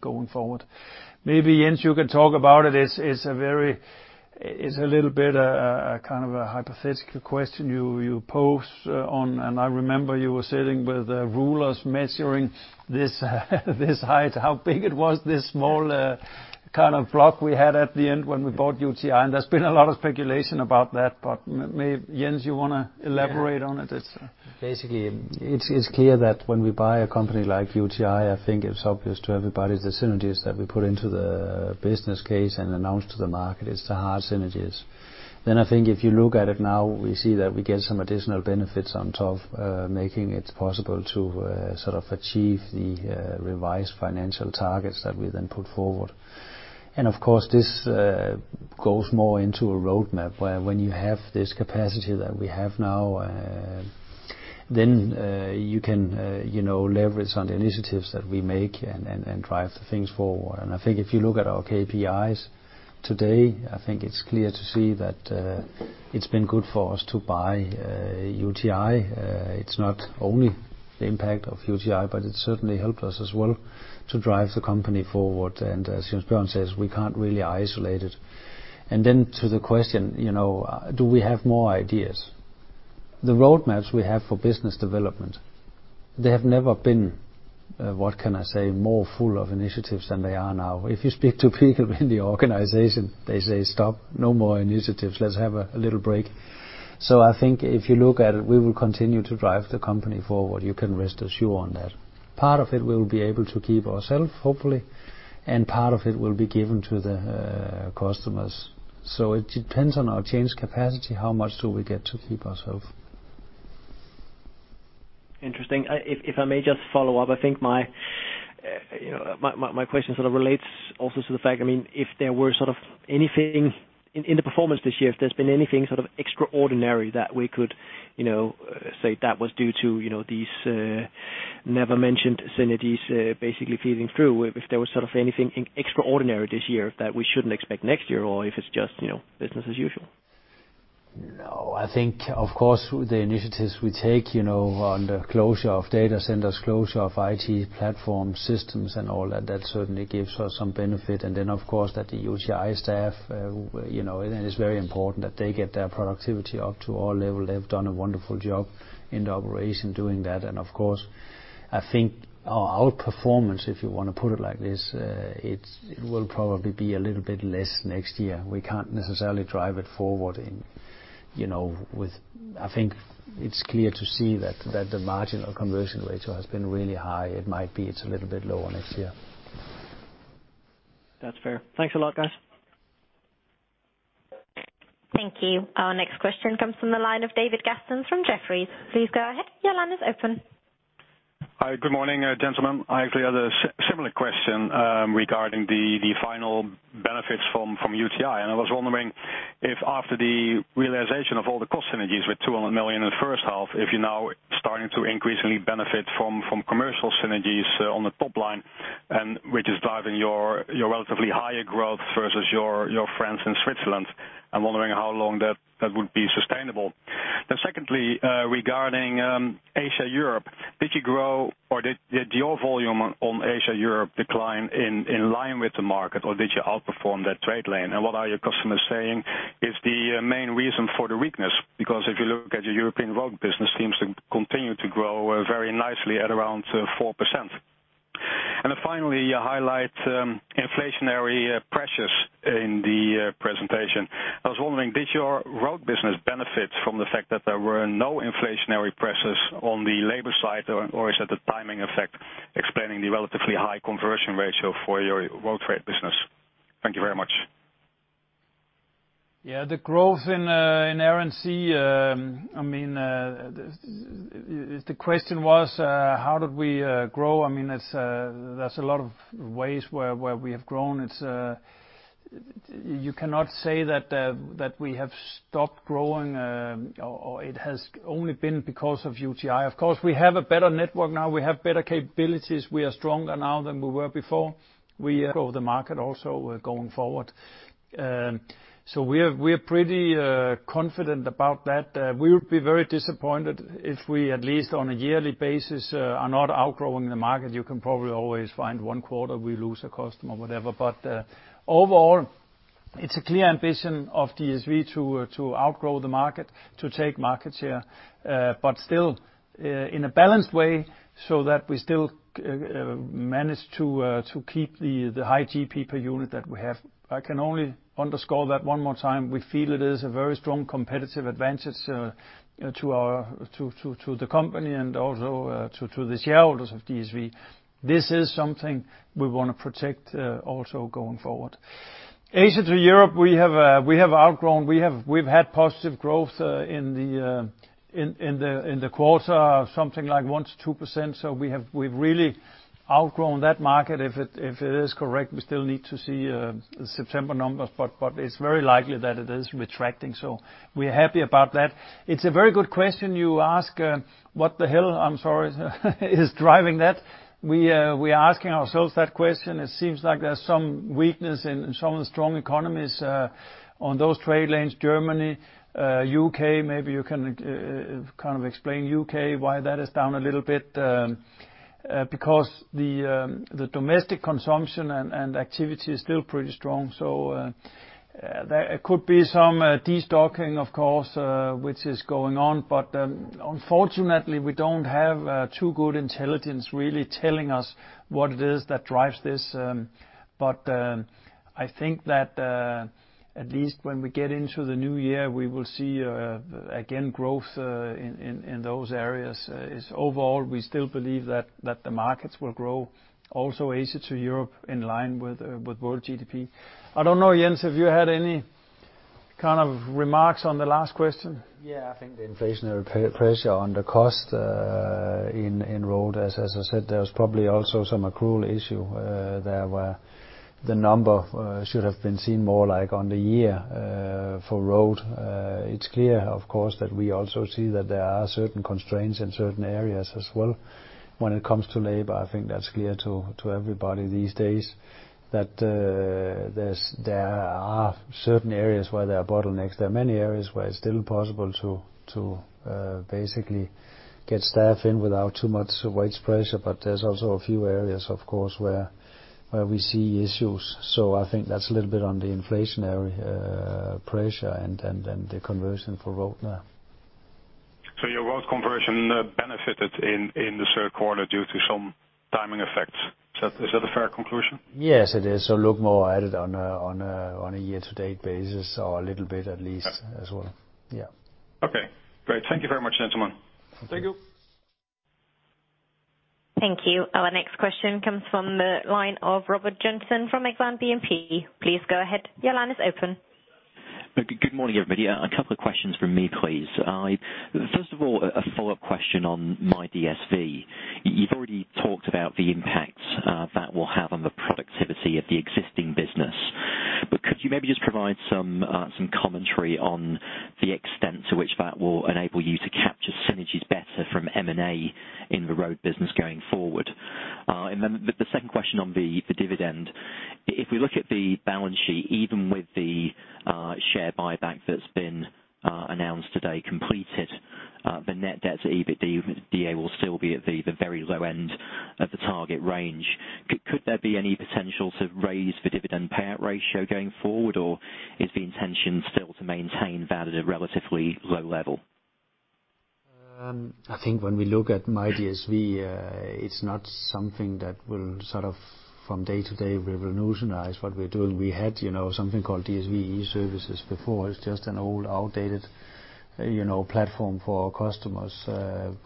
going forward. Maybe, Jens, you can talk about it. It's a little bit a kind of a hypothetical question you posed on, I remember you were sitting with rulers measuring this height, how big it was, this small kind of block we had at the end when we bought UTi, and there's been a lot of speculation about that. Maybe, Jens, you want to elaborate on it? Basically, it's clear that when we buy a company like UTi, I think it's obvious to everybody the synergies that we put into the business case and announce to the market. It's the hard synergies. I think if you look at it now, we see that we get some additional benefits on top, making it possible to sort of achieve the revised financial targets that we then put forward. Of course, this goes more into a roadmap where when you have this capacity that we have now, then you can leverage on the initiatives that we make and drive things forward. I think if you look at our KPIs today, I think it's clear to see that it's been good for us to buy UTi. It's not only the impact of UTi, but it certainly helped us as well to drive the company forward. As Jens Bjørn says, we can't really isolate it. To the question, do we have more ideas? The roadmaps we have for business development, they have never been, what can I say, more full of initiatives than they are now. If you speak to people in the organization, they say, "Stop. No more initiatives. Let's have a little break." I think if you look at it, we will continue to drive the company forward. You can rest assured on that. Part of it we'll be able to keep ourself, hopefully, and part of it will be given to the customers. It depends on our change capacity, how much do we get to keep ourself. Interesting. If I may just follow up, I think my question sort of relates also to the fact, if there were sort of anything in the performance this year, if there's been anything sort of extraordinary that we could say that was due to these never mentioned synergies basically feeding through, if there was sort of anything extraordinary this year that we shouldn't expect next year or if it's just business as usual. No. I think, of course, with the initiatives we take on the closure of data centers, closure of IT platform systems and all that certainly gives us some benefit. Of course, that the UTi staff, it is very important that they get their productivity up to our level. They've done a wonderful job in the operation doing that. Of course, I think our outperformance, if you want to put it like this, it will probably be a little bit less next year. We can't necessarily drive it forward. I think it's clear to see that the margin or conversion ratio has been really high. It might be it's a little bit lower next year. That's fair. Thanks a lot, guys. Thank you. Our next question comes from the line of David Kerstens from Jefferies. Please go ahead. Your line is open. Hi. Good morning, gentlemen. I actually had a similar question regarding the final benefits from UTi. I was wondering if after the realization of all the cost synergies with 200 million in the first half, if you're now starting to increasingly benefit from commercial synergies on the top line, which is driving your relatively higher growth versus your friends in Switzerland. I'm wondering how long that would be sustainable. Secondly, regarding Asia-Europe, did you grow or did your volume on Asia-Europe decline in line with the market, or did you outperform that trade lane? What are your customers saying is the main reason for the weakness? Because if you look at your European Road business seems to continue to grow very nicely at around 4%. Finally, you highlight inflationary pressures in the presentation. I was wondering, did your Road business benefit from the fact that there were no inflationary pressures on the labor side, or is it the timing effect explaining the relatively high conversion ratio for your Road trade business? Thank you very much. The growth in RNC, the question was how did we grow? There is a lot of ways where we have grown. You cannot say that we have stopped growing or it has only been because of UTi. Of course, we have a better network now. We have better capabilities. We are stronger now than we were before. We outgrow the market also going forward. We are pretty confident about that. We would be very disappointed if we, at least on a yearly basis, are not outgrowing the market. You can probably always find one quarter we lose a customer or whatever. Overall, it is a clear ambition of DSV to outgrow the market, to take market share. Still, in a balanced way, so that we still manage to keep the high GP per unit that we have. I can only underscore that one more time. We feel it is a very strong competitive advantage to the company and also to the shareholders of DSV. This is something we want to protect also going forward. Asia to Europe, we have had positive growth in the quarter, something like 1%-2%. We have really outgrown that market, if it is correct. We still need to see September numbers, but it is very likely that it is retracting. We are happy about that. It is a very good question you ask, what the hell, I am sorry, is driving that? We are asking ourselves that question. It seems like there is some weakness in some of the strong economies on those trade lanes, Germany, U.K. Maybe you can explain U.K., why that is down a little bit. Because the domestic consumption and activity is still pretty strong. There could be some de-stocking, of course, which is going on. Unfortunately, we do not have too good intelligence really telling us what it is that drives this. I think that at least when we get into the new year, we will see, again, growth in those areas. Overall, we still believe that the markets will grow, also Asia to Europe in line with world GDP. I do not know, Jens, have you had any kind of remarks on the last question? I think the inflationary pressure on the cost in Road, as I said, there is probably also some accrual issue there where the number should have been seen more like on the year for Road. It is clear, of course, that we also see that there are certain constraints in certain areas as well when it comes to labor. I think that is clear to everybody these days, that there are certain areas where there are bottlenecks. There are many areas where it is still possible to basically get staff in without too much wage pressure. There is also a few areas, of course, where we see issues. I think that is a little bit on the inflationary pressure and the conversion for Road now. Your Road conversion benefited in the third quarter due to some timing effects. Is that a fair conclusion? Yes, it is. Look more at it on a year-to-date basis or a little bit at least as well. Yeah. Okay, great. Thank you very much, gentlemen. Thank you. Thank you. Our next question comes from the line of Robert Joynson from Exane BNP. Please go ahead. Your line is open. Good morning, everybody. A couple of questions from me, please. First of all, a follow-up question on myDSV. You've already talked about the impact that will have on the productivity of the existing business. Could you maybe just provide some commentary on the extent to which that will enable you to capture synergies better from M&A in the Road business going forward? Then the second question on the dividend. If we look at the balance sheet, even with the share buyback that's been announced today completed, the net debt to EBITDA will still be at the very low end of the target range. Could there be any potential to raise the dividend payout ratio going forward, or is the intention still to maintain that at a relatively low level? I think when we look at myDSV, it's not something that will sort of from day to day, we revolutionize what we're doing. We had something called DSV E-services before. It's just an old, outdated platform for our customers.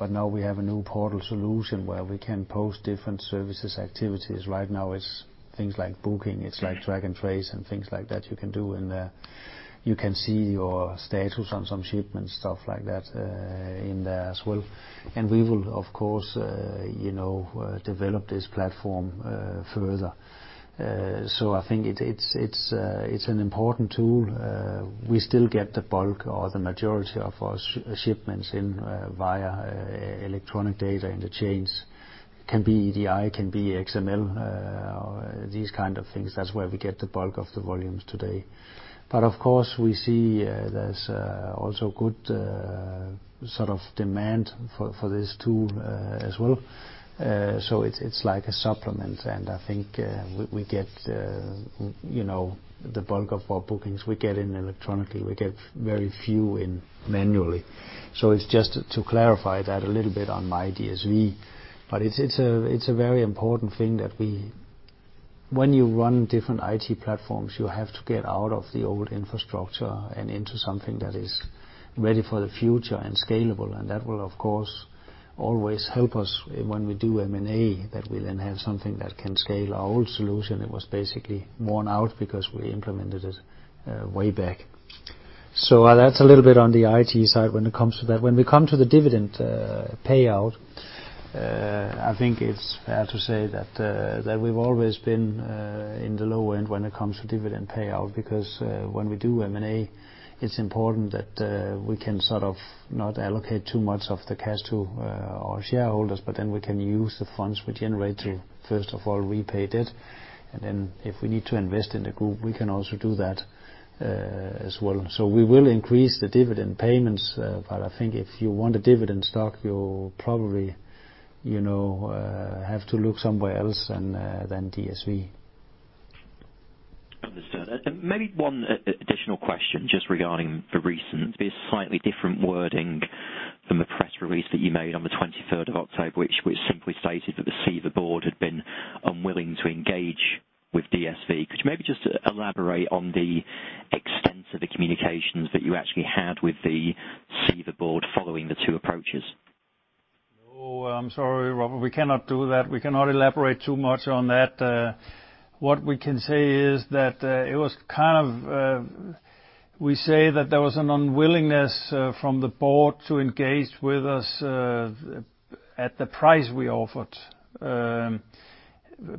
Now we have a new portal solution where we can post different services, activities. Right now it's things like booking, it's like track and trace and things like that you can do in there. You can see your status on some shipments, stuff like that in there as well. We will, of course, develop this platform further. I think it's an important tool. We still get the bulk or the majority of our shipments in via electronic data interchange. Can be EDI, can be XML, or these kind of things. That's where we get the bulk of the volumes today. Of course, we see there's also good sort of demand for this tool as well. It's like a supplement, and I think we get the bulk of our bookings, we get in electronically. We get very few in manually. It's just to clarify that a little bit on myDSV. It's a very important thing. When you run different IT platforms, you have to get out of the old infrastructure and into something that is ready for the future and scalable. That will, of course, always help us when we do M&A, that we then have something that can scale. Our old solution, it was basically worn out because we implemented it way back. That's a little bit on the IT side when it comes to that. When we come to the dividend payout, I think it's fair to say that we've always been in the low end when it comes to dividend payout, because when we do M&A, it's important that we can sort of not allocate too much of the cash to our shareholders, but then we can use the funds we generate to, first of all, repay debt, and then if we need to invest in the group, we can also do that as well. We will increase the dividend payments. I think if you want a dividend stock, you'll probably have to look somewhere else than DSV. Understood. Maybe one additional question just regarding the recent, but slightly different wording from the press release that you made on the 23rd of October, which simply stated that the CEVA board had been unwilling to engage with DSV. Could you maybe just elaborate on the extent of the communications that you actually had with the CEVA board following the two approaches? No, I'm sorry, Robert, we cannot do that. We cannot elaborate too much on that. What we can say is that there was an unwillingness from the board to engage with us at the price we offered.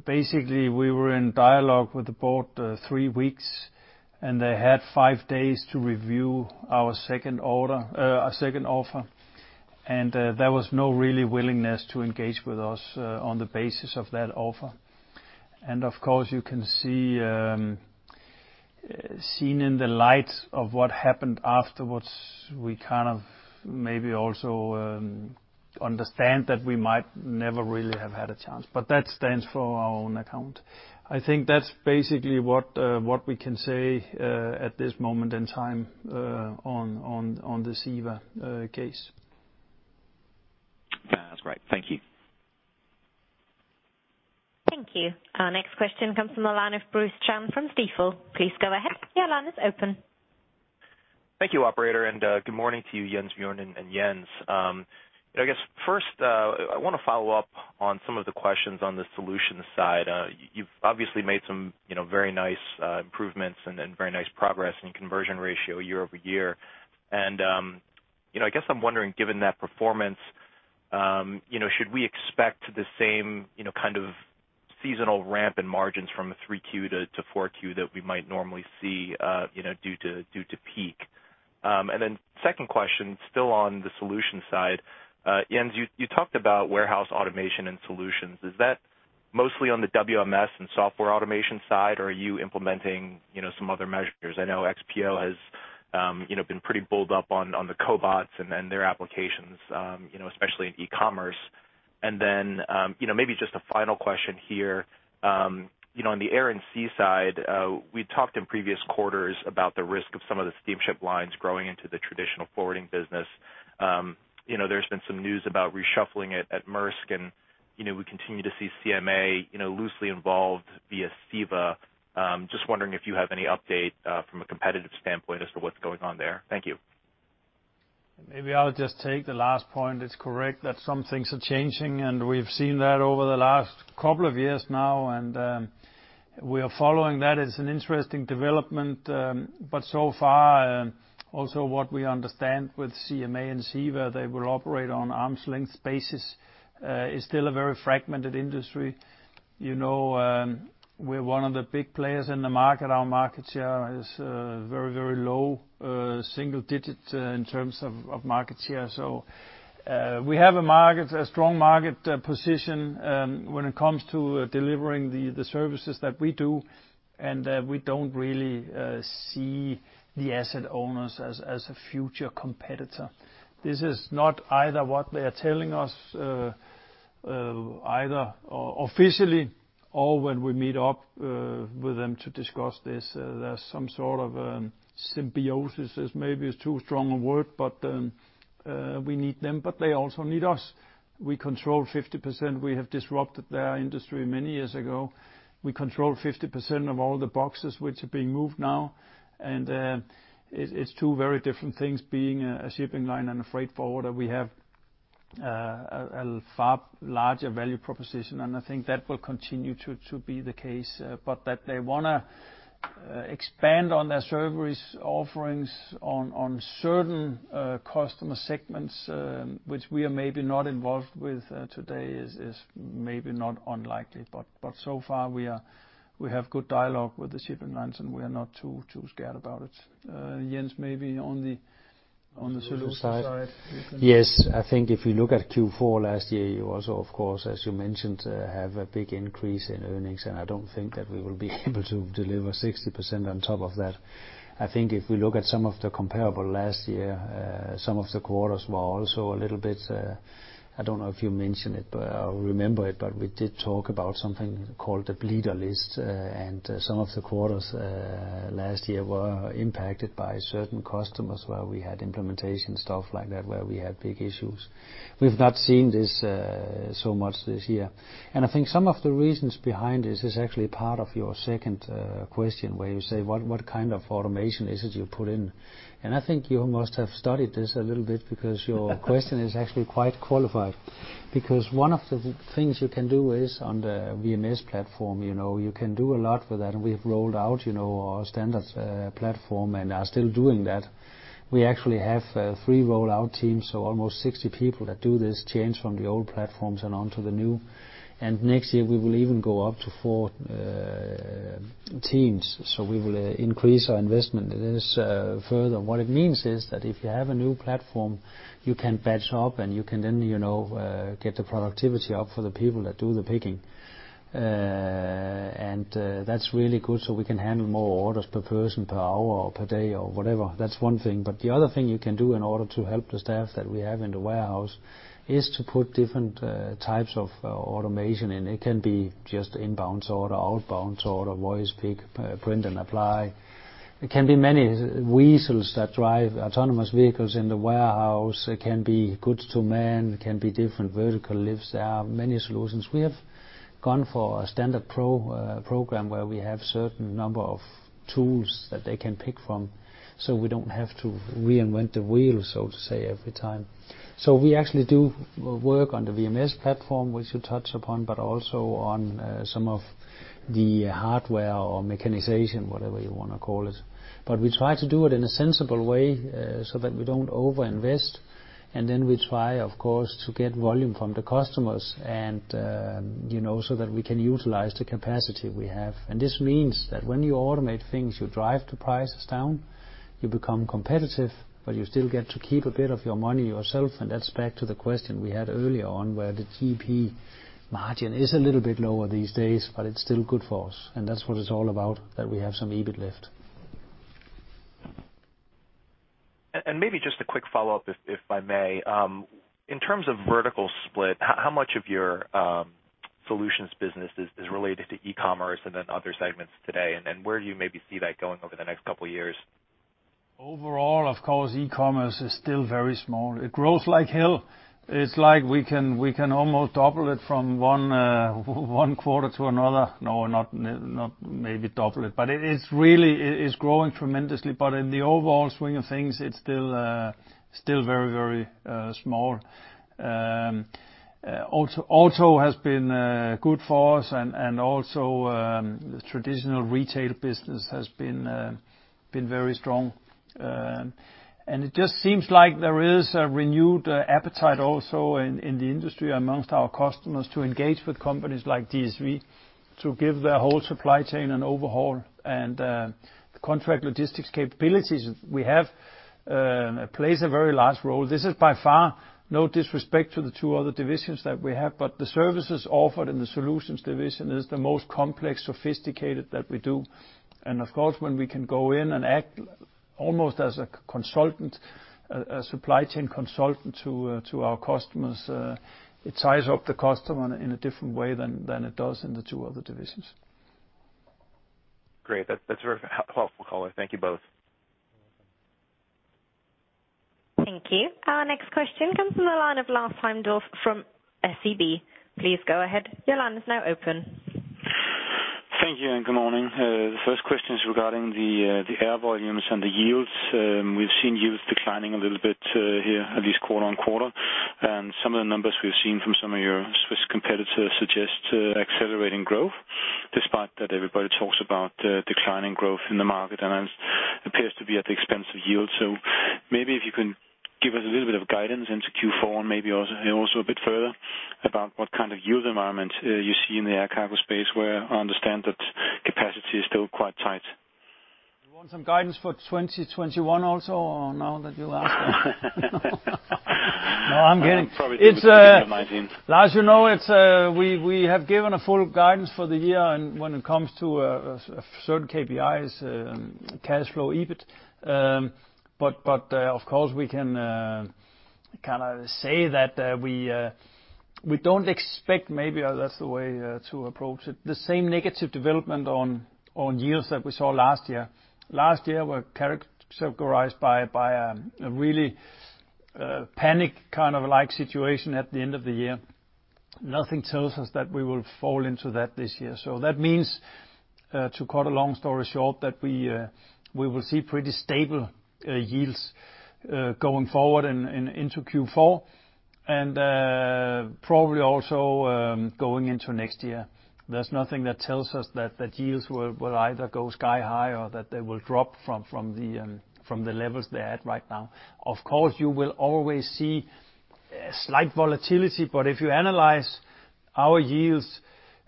Basically, we were in dialogue with the board three weeks, and they had five days to review our second offer. There was no really willingness to engage with us on the basis of that offer. Of course, you can see, seen in the light of what happened afterwards, we kind of maybe also understand that we might never really have had a chance. That stands for our own account. I think that's basically what we can say at this moment in time on the CEVA case. That's great. Thank you. Thank you. Our next question comes from the line of Bruce Chan from Stifel. Please go ahead. Your line is open. Thank you, operator, and good morning to you Jens, Bjørn and Jens. First, I want to follow up on some of the questions on the Solutions side. You've obviously made some very nice improvements and very nice progress in conversion ratio year-over-year. I guess I'm wondering, given that performance, should we expect the same kind of seasonal ramp in margins from a 3Q to 4Q that we might normally see due to peak? Second question, still on the Solutions side, Jens, you talked about warehouse automation and Solutions. Is that mostly on the WMS and software automation side, or are you implementing some other measures? I know XPO has been pretty bulled up on the cobots and their applications, especially in e-commerce. Maybe just a final question here. On the Air & Sea side, we talked in previous quarters about the risk of some of the steamship lines growing into the traditional forwarding business. There's been some news about reshuffling at Maersk, and we continue to see CMA loosely involved via CEVA. Just wondering if you have any update from a competitive standpoint as to what's going on there. Thank you. Maybe I'll just take the last point. It's correct that some things are changing, we've seen that over the last couple of years now, we are following that. It's an interesting development. So far, also what we understand with CMA and SIFA, they will operate on arm's length basis. It's still a very fragmented industry. We're one of the big players in the market. Our market share is very, very low, single digit in terms of market share. We have a strong market position when it comes to delivering the services that we do, we don't really see the asset owners as a future competitor. This is not either what they are telling us, either officially or when we meet up with them to discuss this. There's some sort of symbiosis, maybe is too strong a word, but we need them, but they also need us. We control 50%. We have disrupted their industry many years ago. We control 50% of all the boxes which are being moved now. It's two very different things, being a shipping line and a freight forwarder. We have a far larger value proposition, and I think that will continue to be the case. That they want to expand on their services offerings on certain customer segments which we are maybe not involved with today is maybe not unlikely. So far, we have good dialogue with the shipping lines, and we are not too scared about it. Jens, maybe on the Solutions side? Yes. I think if you look at Q4 last year, you also, of course, as you mentioned, have a big increase in earnings, and I don't think that we will be able to deliver 60% on top of that. I think if we look at some of the comparable last year, some of the quarters were also a little bit, I don't know if you mentioned it, but I remember it, but we did talk about something called the bleeder list, and some of the quarters last year were impacted by certain customers where we had implementation stuff like that, where we had big issues. We've not seen this so much this year. I think some of the reasons behind this is actually part of your second question where you say, what kind of automation is it you put in? I think you must have studied this a little bit because your question is actually quite qualified. Because one of the things you can do is on the WMS platform. You can do a lot with that, and we've rolled out our standards platform and are still doing that. We actually have three rollout teams, so almost 60 people that do this change from the old platforms and onto the new. Next year we will even go up to four teams. We will increase our investment in this further. What it means is that if you have a new platform, you can batch up and you can then get the productivity up for the people that do the picking. That's really good, so we can handle more orders per person, per hour or per day or whatever. That's one thing. The other thing you can do in order to help the staff that we have in the warehouse is to put different types of automation in. It can be just inbound sort or outbound sort or voice pick, print and apply. It can be many WEASEL that drive autonomous vehicles in the warehouse. It can be goods-to-man, it can be different vertical lifts. There are many solutions. We have gone for a standard program where we have certain number of tools that they can pick from, so we don't have to reinvent the wheel, so to say, every time. We actually do work on the WMS platform, which you touch upon, but also on some of the hardware or mechanization, whatever you want to call it. We try to do it in a sensible way so that we don't overinvest, and then we try, of course, to get volume from the customers and so that we can utilize the capacity we have. This means that when you automate things, you drive the prices down, you become competitive, but you still get to keep a bit of your money yourself. That's back to the question we had earlier on where the GP margin is a little bit lower these days, but it's still good for us. That's what it's all about, that we have some EBIT left. Maybe just a quick follow-up if I may. In terms of vertical split, how much of your Solutions business is related to e-commerce and then other segments today, and where do you maybe see that going over the next couple of years? Overall, of course, e-commerce is still very small. It grows like hell. It's like we can almost double it from one quarter to another. No, not maybe double it, but it's really growing tremendously. In the overall swing of things, it's still very small. Auto has been good for us, and also the traditional retail business has been very strong. It just seems like there is a renewed appetite also in the industry amongst our customers to engage with companies like DSV to give their whole supply chain an overhaul. The contract logistics capabilities we have plays a very large role. This is by far no disrespect to the two other divisions that we have, but the services offered in the Solutions division is the most complex, sophisticated that we do. Of course, when we can go in and act almost as a consultant, a supply chain consultant to our customers, it ties up the customer in a different way than it does in the two other divisions. Great. That's very helpful. Thank you both. Thank you. Our next question comes from the line of Lars Heindorff from SEB. Please go ahead. Your line is now open. Thank you and good morning. The first question is regarding the air volumes and the yields. We've seen yields declining a little bit here, at least quarter-on-quarter. Some of the numbers we've seen from some of your Swiss competitors suggest accelerating growth, despite that everybody talks about declining growth in the market, and it appears to be at the expense of yield. Maybe if you can give us a little bit of guidance into Q4 and maybe also a bit further about what kind of yield environment you see in the air cargo space, where I understand that capacity is still quite tight. You want some guidance for 2021 also now that you ask? No, I'm kidding. I probably do with your mind reading. Lars, you know, we have given a full guidance for the year and when it comes to certain KPIs, cash flow, EBIT. Of course, we can say that we don't expect, maybe that's the way to approach it, the same negative development on yields that we saw last year. Last year was characterized by a really panic kind of like situation at the end of the year. Nothing tells us that we will fall into that this year. That means, to cut a long story short, that we will see pretty stable yields going forward and into Q4 and probably also going into next year. There's nothing that tells us that yields will either go sky high or that they will drop from the levels they're at right now. Of course, you will always see slight volatility, if you analyze our yields,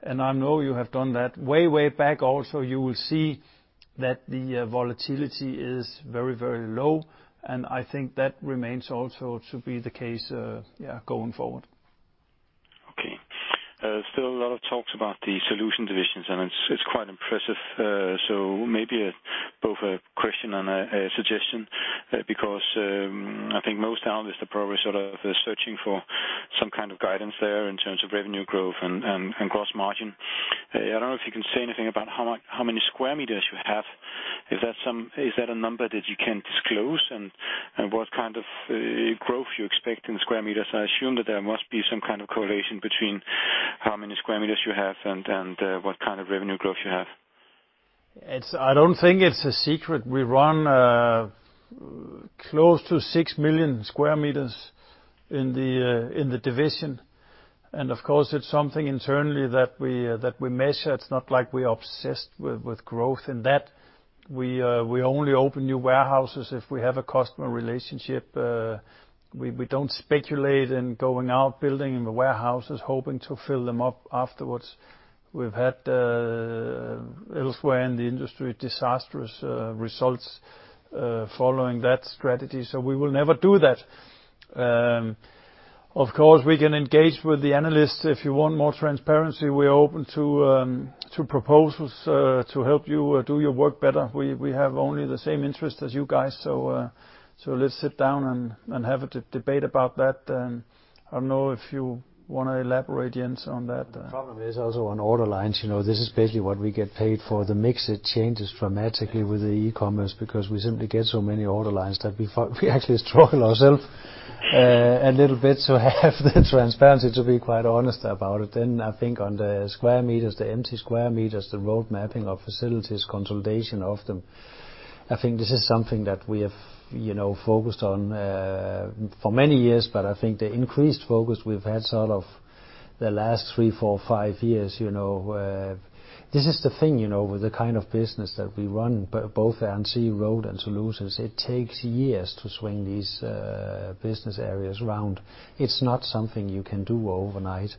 and I know you have done that, way back also, you will see that the volatility is very low, and I think that remains also to be the case going forward. Okay. Still a lot of talks about the Solutions divisions, it's quite impressive. Maybe both a question and a suggestion because I think most analysts are probably searching for some kind of guidance there in terms of revenue growth and gross margin. I don't know if you can say anything about how many square meters you have. Is that a number that you can disclose and what kind of growth you expect in square meters? I assume that there must be some kind of correlation between how many square meters you have and what kind of revenue growth you have. I don't think it's a secret. We run close to 6 million sq m in the division, and of course, it's something internally that we measure. It's not like we are obsessed with growth in that. We only open new warehouses if we have a customer relationship. We don't speculate in going out, building the warehouses, hoping to fill them up afterwards. We've had, elsewhere in the industry, disastrous results following that strategy. We will never do that. Of course, we can engage with the analysts if you want more transparency. We're open to proposals to help you do your work better. We have only the same interest as you guys. Let's sit down and have a debate about that. I don't know if you want to elaborate, Jens, on that. The problem is also on order lines. This is basically what we get paid for. The mix, it changes dramatically with the e-commerce because we simply get so many order lines that we actually struggle ourself a little bit to have the transparency, to be quite honest about it. I think on the sq m, the empty sq m, the road mapping of facilities, consolidation of them, I think this is something that we have focused on for many years. But I think the increased focus we've had the last three, four, five years. This is the thing with the kind of business that we run, both Air & Sea, Road and Solutions, it takes years to swing these business areas around. It's not something you can do overnight.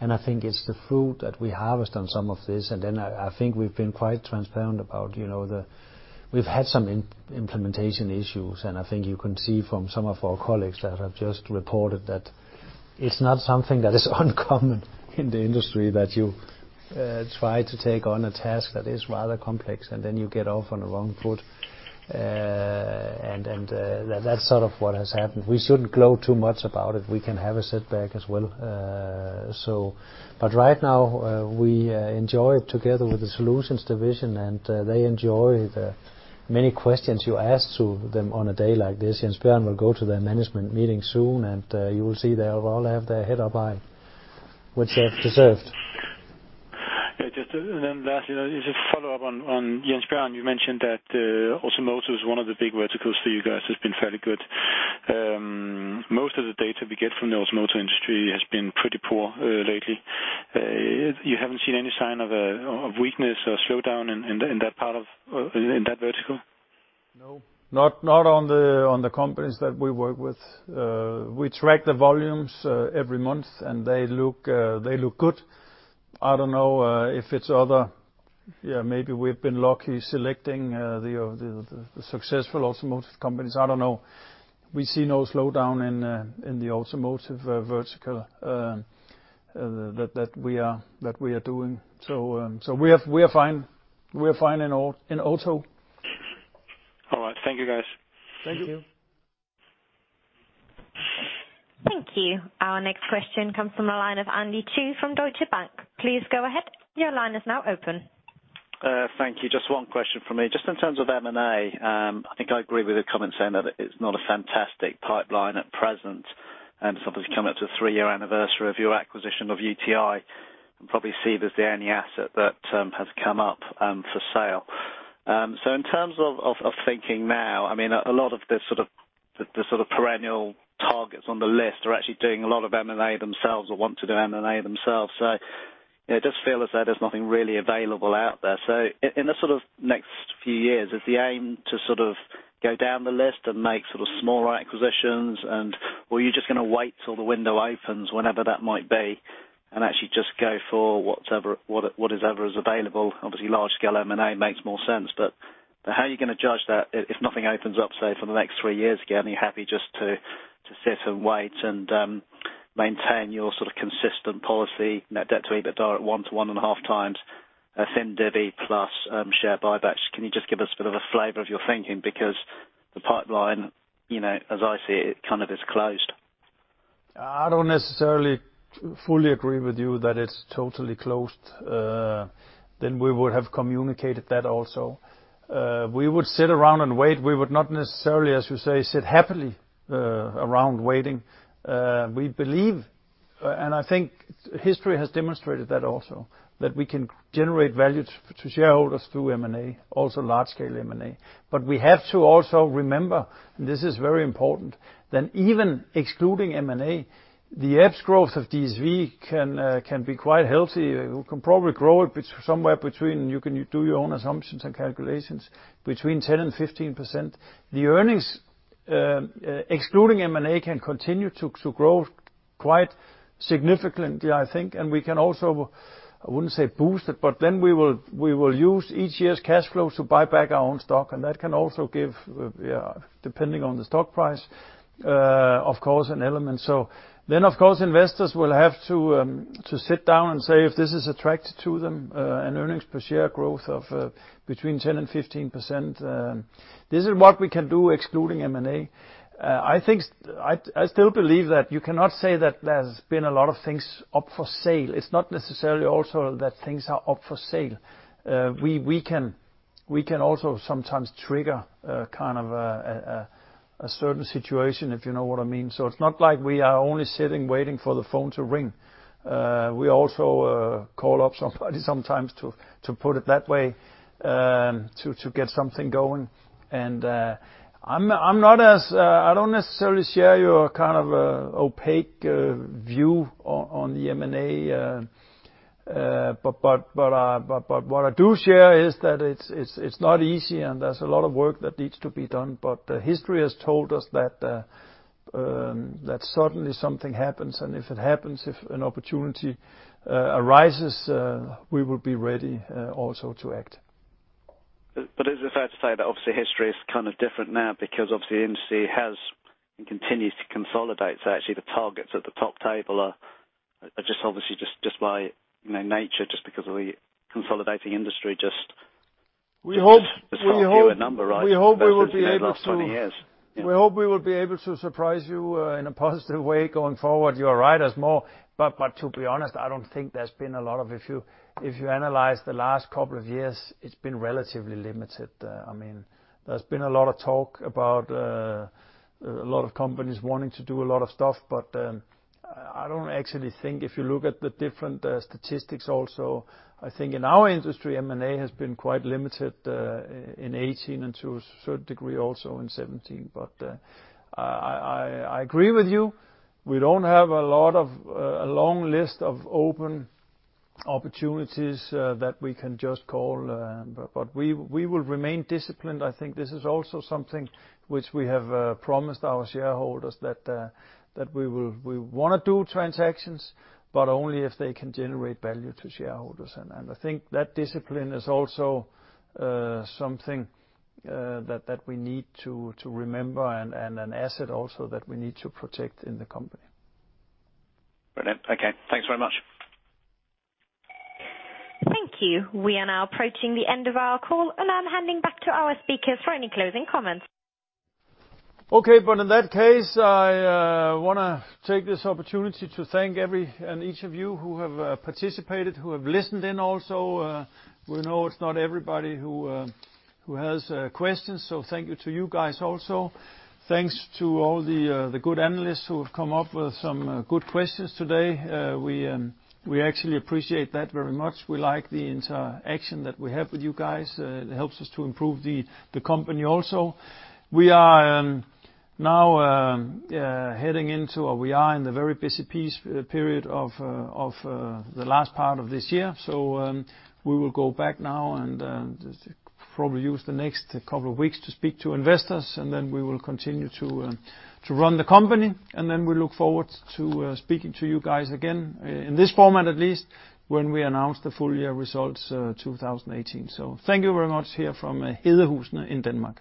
I think it's the fruit that we harvest on some of this. I think we've been quite transparent about, we've had some implementation issues. I think you can see from some of our colleagues that have just reported that it's not something that is uncommon in the industry, that you try to take on a task that is rather complex. You get off on the wrong foot. That's sort of what has happened. We shouldn't gloat too much about it. We can have a setback as well. Right now, we enjoy it together with the Solutions division. They enjoy the many questions you ask to them on a day like this. Jens Bjørn will go to their management meeting soon. You will see they'll all have their head up high, which they have deserved. Lastly, just a follow-up on Jens Bjørn, you mentioned that automotive is one of the big verticals for you guys, has been fairly good. Most of the data we get from the automotive industry has been pretty poor lately. You haven't seen any sign of weakness or slowdown in that vertical? No, not on the companies that we work with. We track the volumes every month. They look good. I don't know if it's maybe we've been lucky selecting the successful automotive companies. I don't know. We see no slowdown in the automotive vertical that we are doing. We are fine in auto. All right. Thank you, guys. Thank you. Thank you. Thank you. Our next question comes from the line of Andy Chu from Deutsche Bank. Please go ahead. Your line is now open. Thank you. Just one question from me. Just in terms of M&A, I think I agree with the comment saying that it's not a fantastic pipeline at present, and as somebody who is coming up to a three-year anniversary of your acquisition of UTi, can probably see there is the only asset that has come up for sale. In terms of thinking now, a lot of the perennial targets on the list are actually doing a lot of M&A themselves or want to do M&A themselves. It does feel as though there is nothing really available out there. In the next few years, is the aim to go down the list and make small acquisitions? Or are you just going to wait till the window opens, whenever that might be, and actually just go for what is ever is available? Obviously, large-scale M&A makes more sense. How are you going to judge that if nothing opens up, say, for the next three years, again, are you happy just to sit and wait and maintain your consistent policy? Net debt to EBITDA at one to one and a half times, thin divvy plus share buybacks. Can you just give us a bit of a flavor of your thinking? The pipeline, as I see it, kind of is closed. I don't necessarily fully agree with you that it's totally closed. We would have communicated that also. We would sit around and wait. We would not necessarily, as you say, sit happily around waiting. We believe, and I think history has demonstrated that also, that we can generate value to shareholders through M&A, also large-scale M&A. We have to also remember, and this is very important, that even excluding M&A, the EPS growth of DSV can be quite healthy. We can probably grow it somewhere between, you can do your own assumptions and calculations, between 10% and 15%. The earnings excluding M&A can continue to grow quite significantly, I think. We can also, I wouldn't say boost it, we will use each year's cash flow to buy back our own stock, and that can also give, depending on the stock price, of course, an element. Of course, investors will have to sit down and say if this is attractive to them, an earnings per share growth of between 10% and 15%. This is what we can do excluding M&A. I still believe that you cannot say that there's been a lot of things up for sale. It's not necessarily also that things are up for sale. We can also sometimes trigger a certain situation, if you know what I mean. It's not like we are only sitting, waiting for the phone to ring. We also call up somebody sometimes, to put it that way, to get something going. I don't necessarily share your opaque view on the M&A. What I do share is that it's not easy, and there's a lot of work that needs to be done. History has told us that certainly something happens, and if it happens, if an opportunity arises, we will be ready also to act. Is it fair to say that obviously history is different now because obviously the industry has and continues to consolidate. Actually, the targets at the top table are just obviously just by nature, just because of the consolidating industry. We hope. There's fewer number, right? We hope we will be able to. Than there's been in the last 20 years. We hope we will be able to surprise you in a positive way going forward. You're right. There's more. To be honest, I don't think there's been a lot of issue. If you analyze the last couple of years, it's been relatively limited. There's been a lot of talk about a lot of companies wanting to do a lot of stuff, but I don't actually think, if you look at the different statistics also, I think in our industry, M&A has been quite limited in 2018, and to a certain degree, also in 2017. I agree with you. We don't have a long list of open opportunities that we can just call. We will remain disciplined. I think this is also something which we have promised our shareholders that we want to do transactions, but only if they can generate value to shareholders. I think that discipline is also something that we need to remember and an asset also that we need to protect in the company. Brilliant. Okay. Thanks very much. Thank you. We are now approaching the end of our call, and I'm handing back to our speakers for any closing comments. Okay. In that case, I want to take this opportunity to thank every and each of you who have participated, who have listened in also. We know it's not everybody who has questions, so thank you to you guys also. Thanks to all the good analysts who have come up with some good questions today. We actually appreciate that very much. We like the interaction that we have with you guys. It helps us to improve the company also. We are now heading into, or we are in the very busy period of the last part of this year. We will go back now and probably use the next couple of weeks to speak to investors, and then we will continue to run the company. We look forward to speaking to you guys again, in this format at least, when we announce the full year results 2018. Thank you very much here from Hedehusene in Denmark.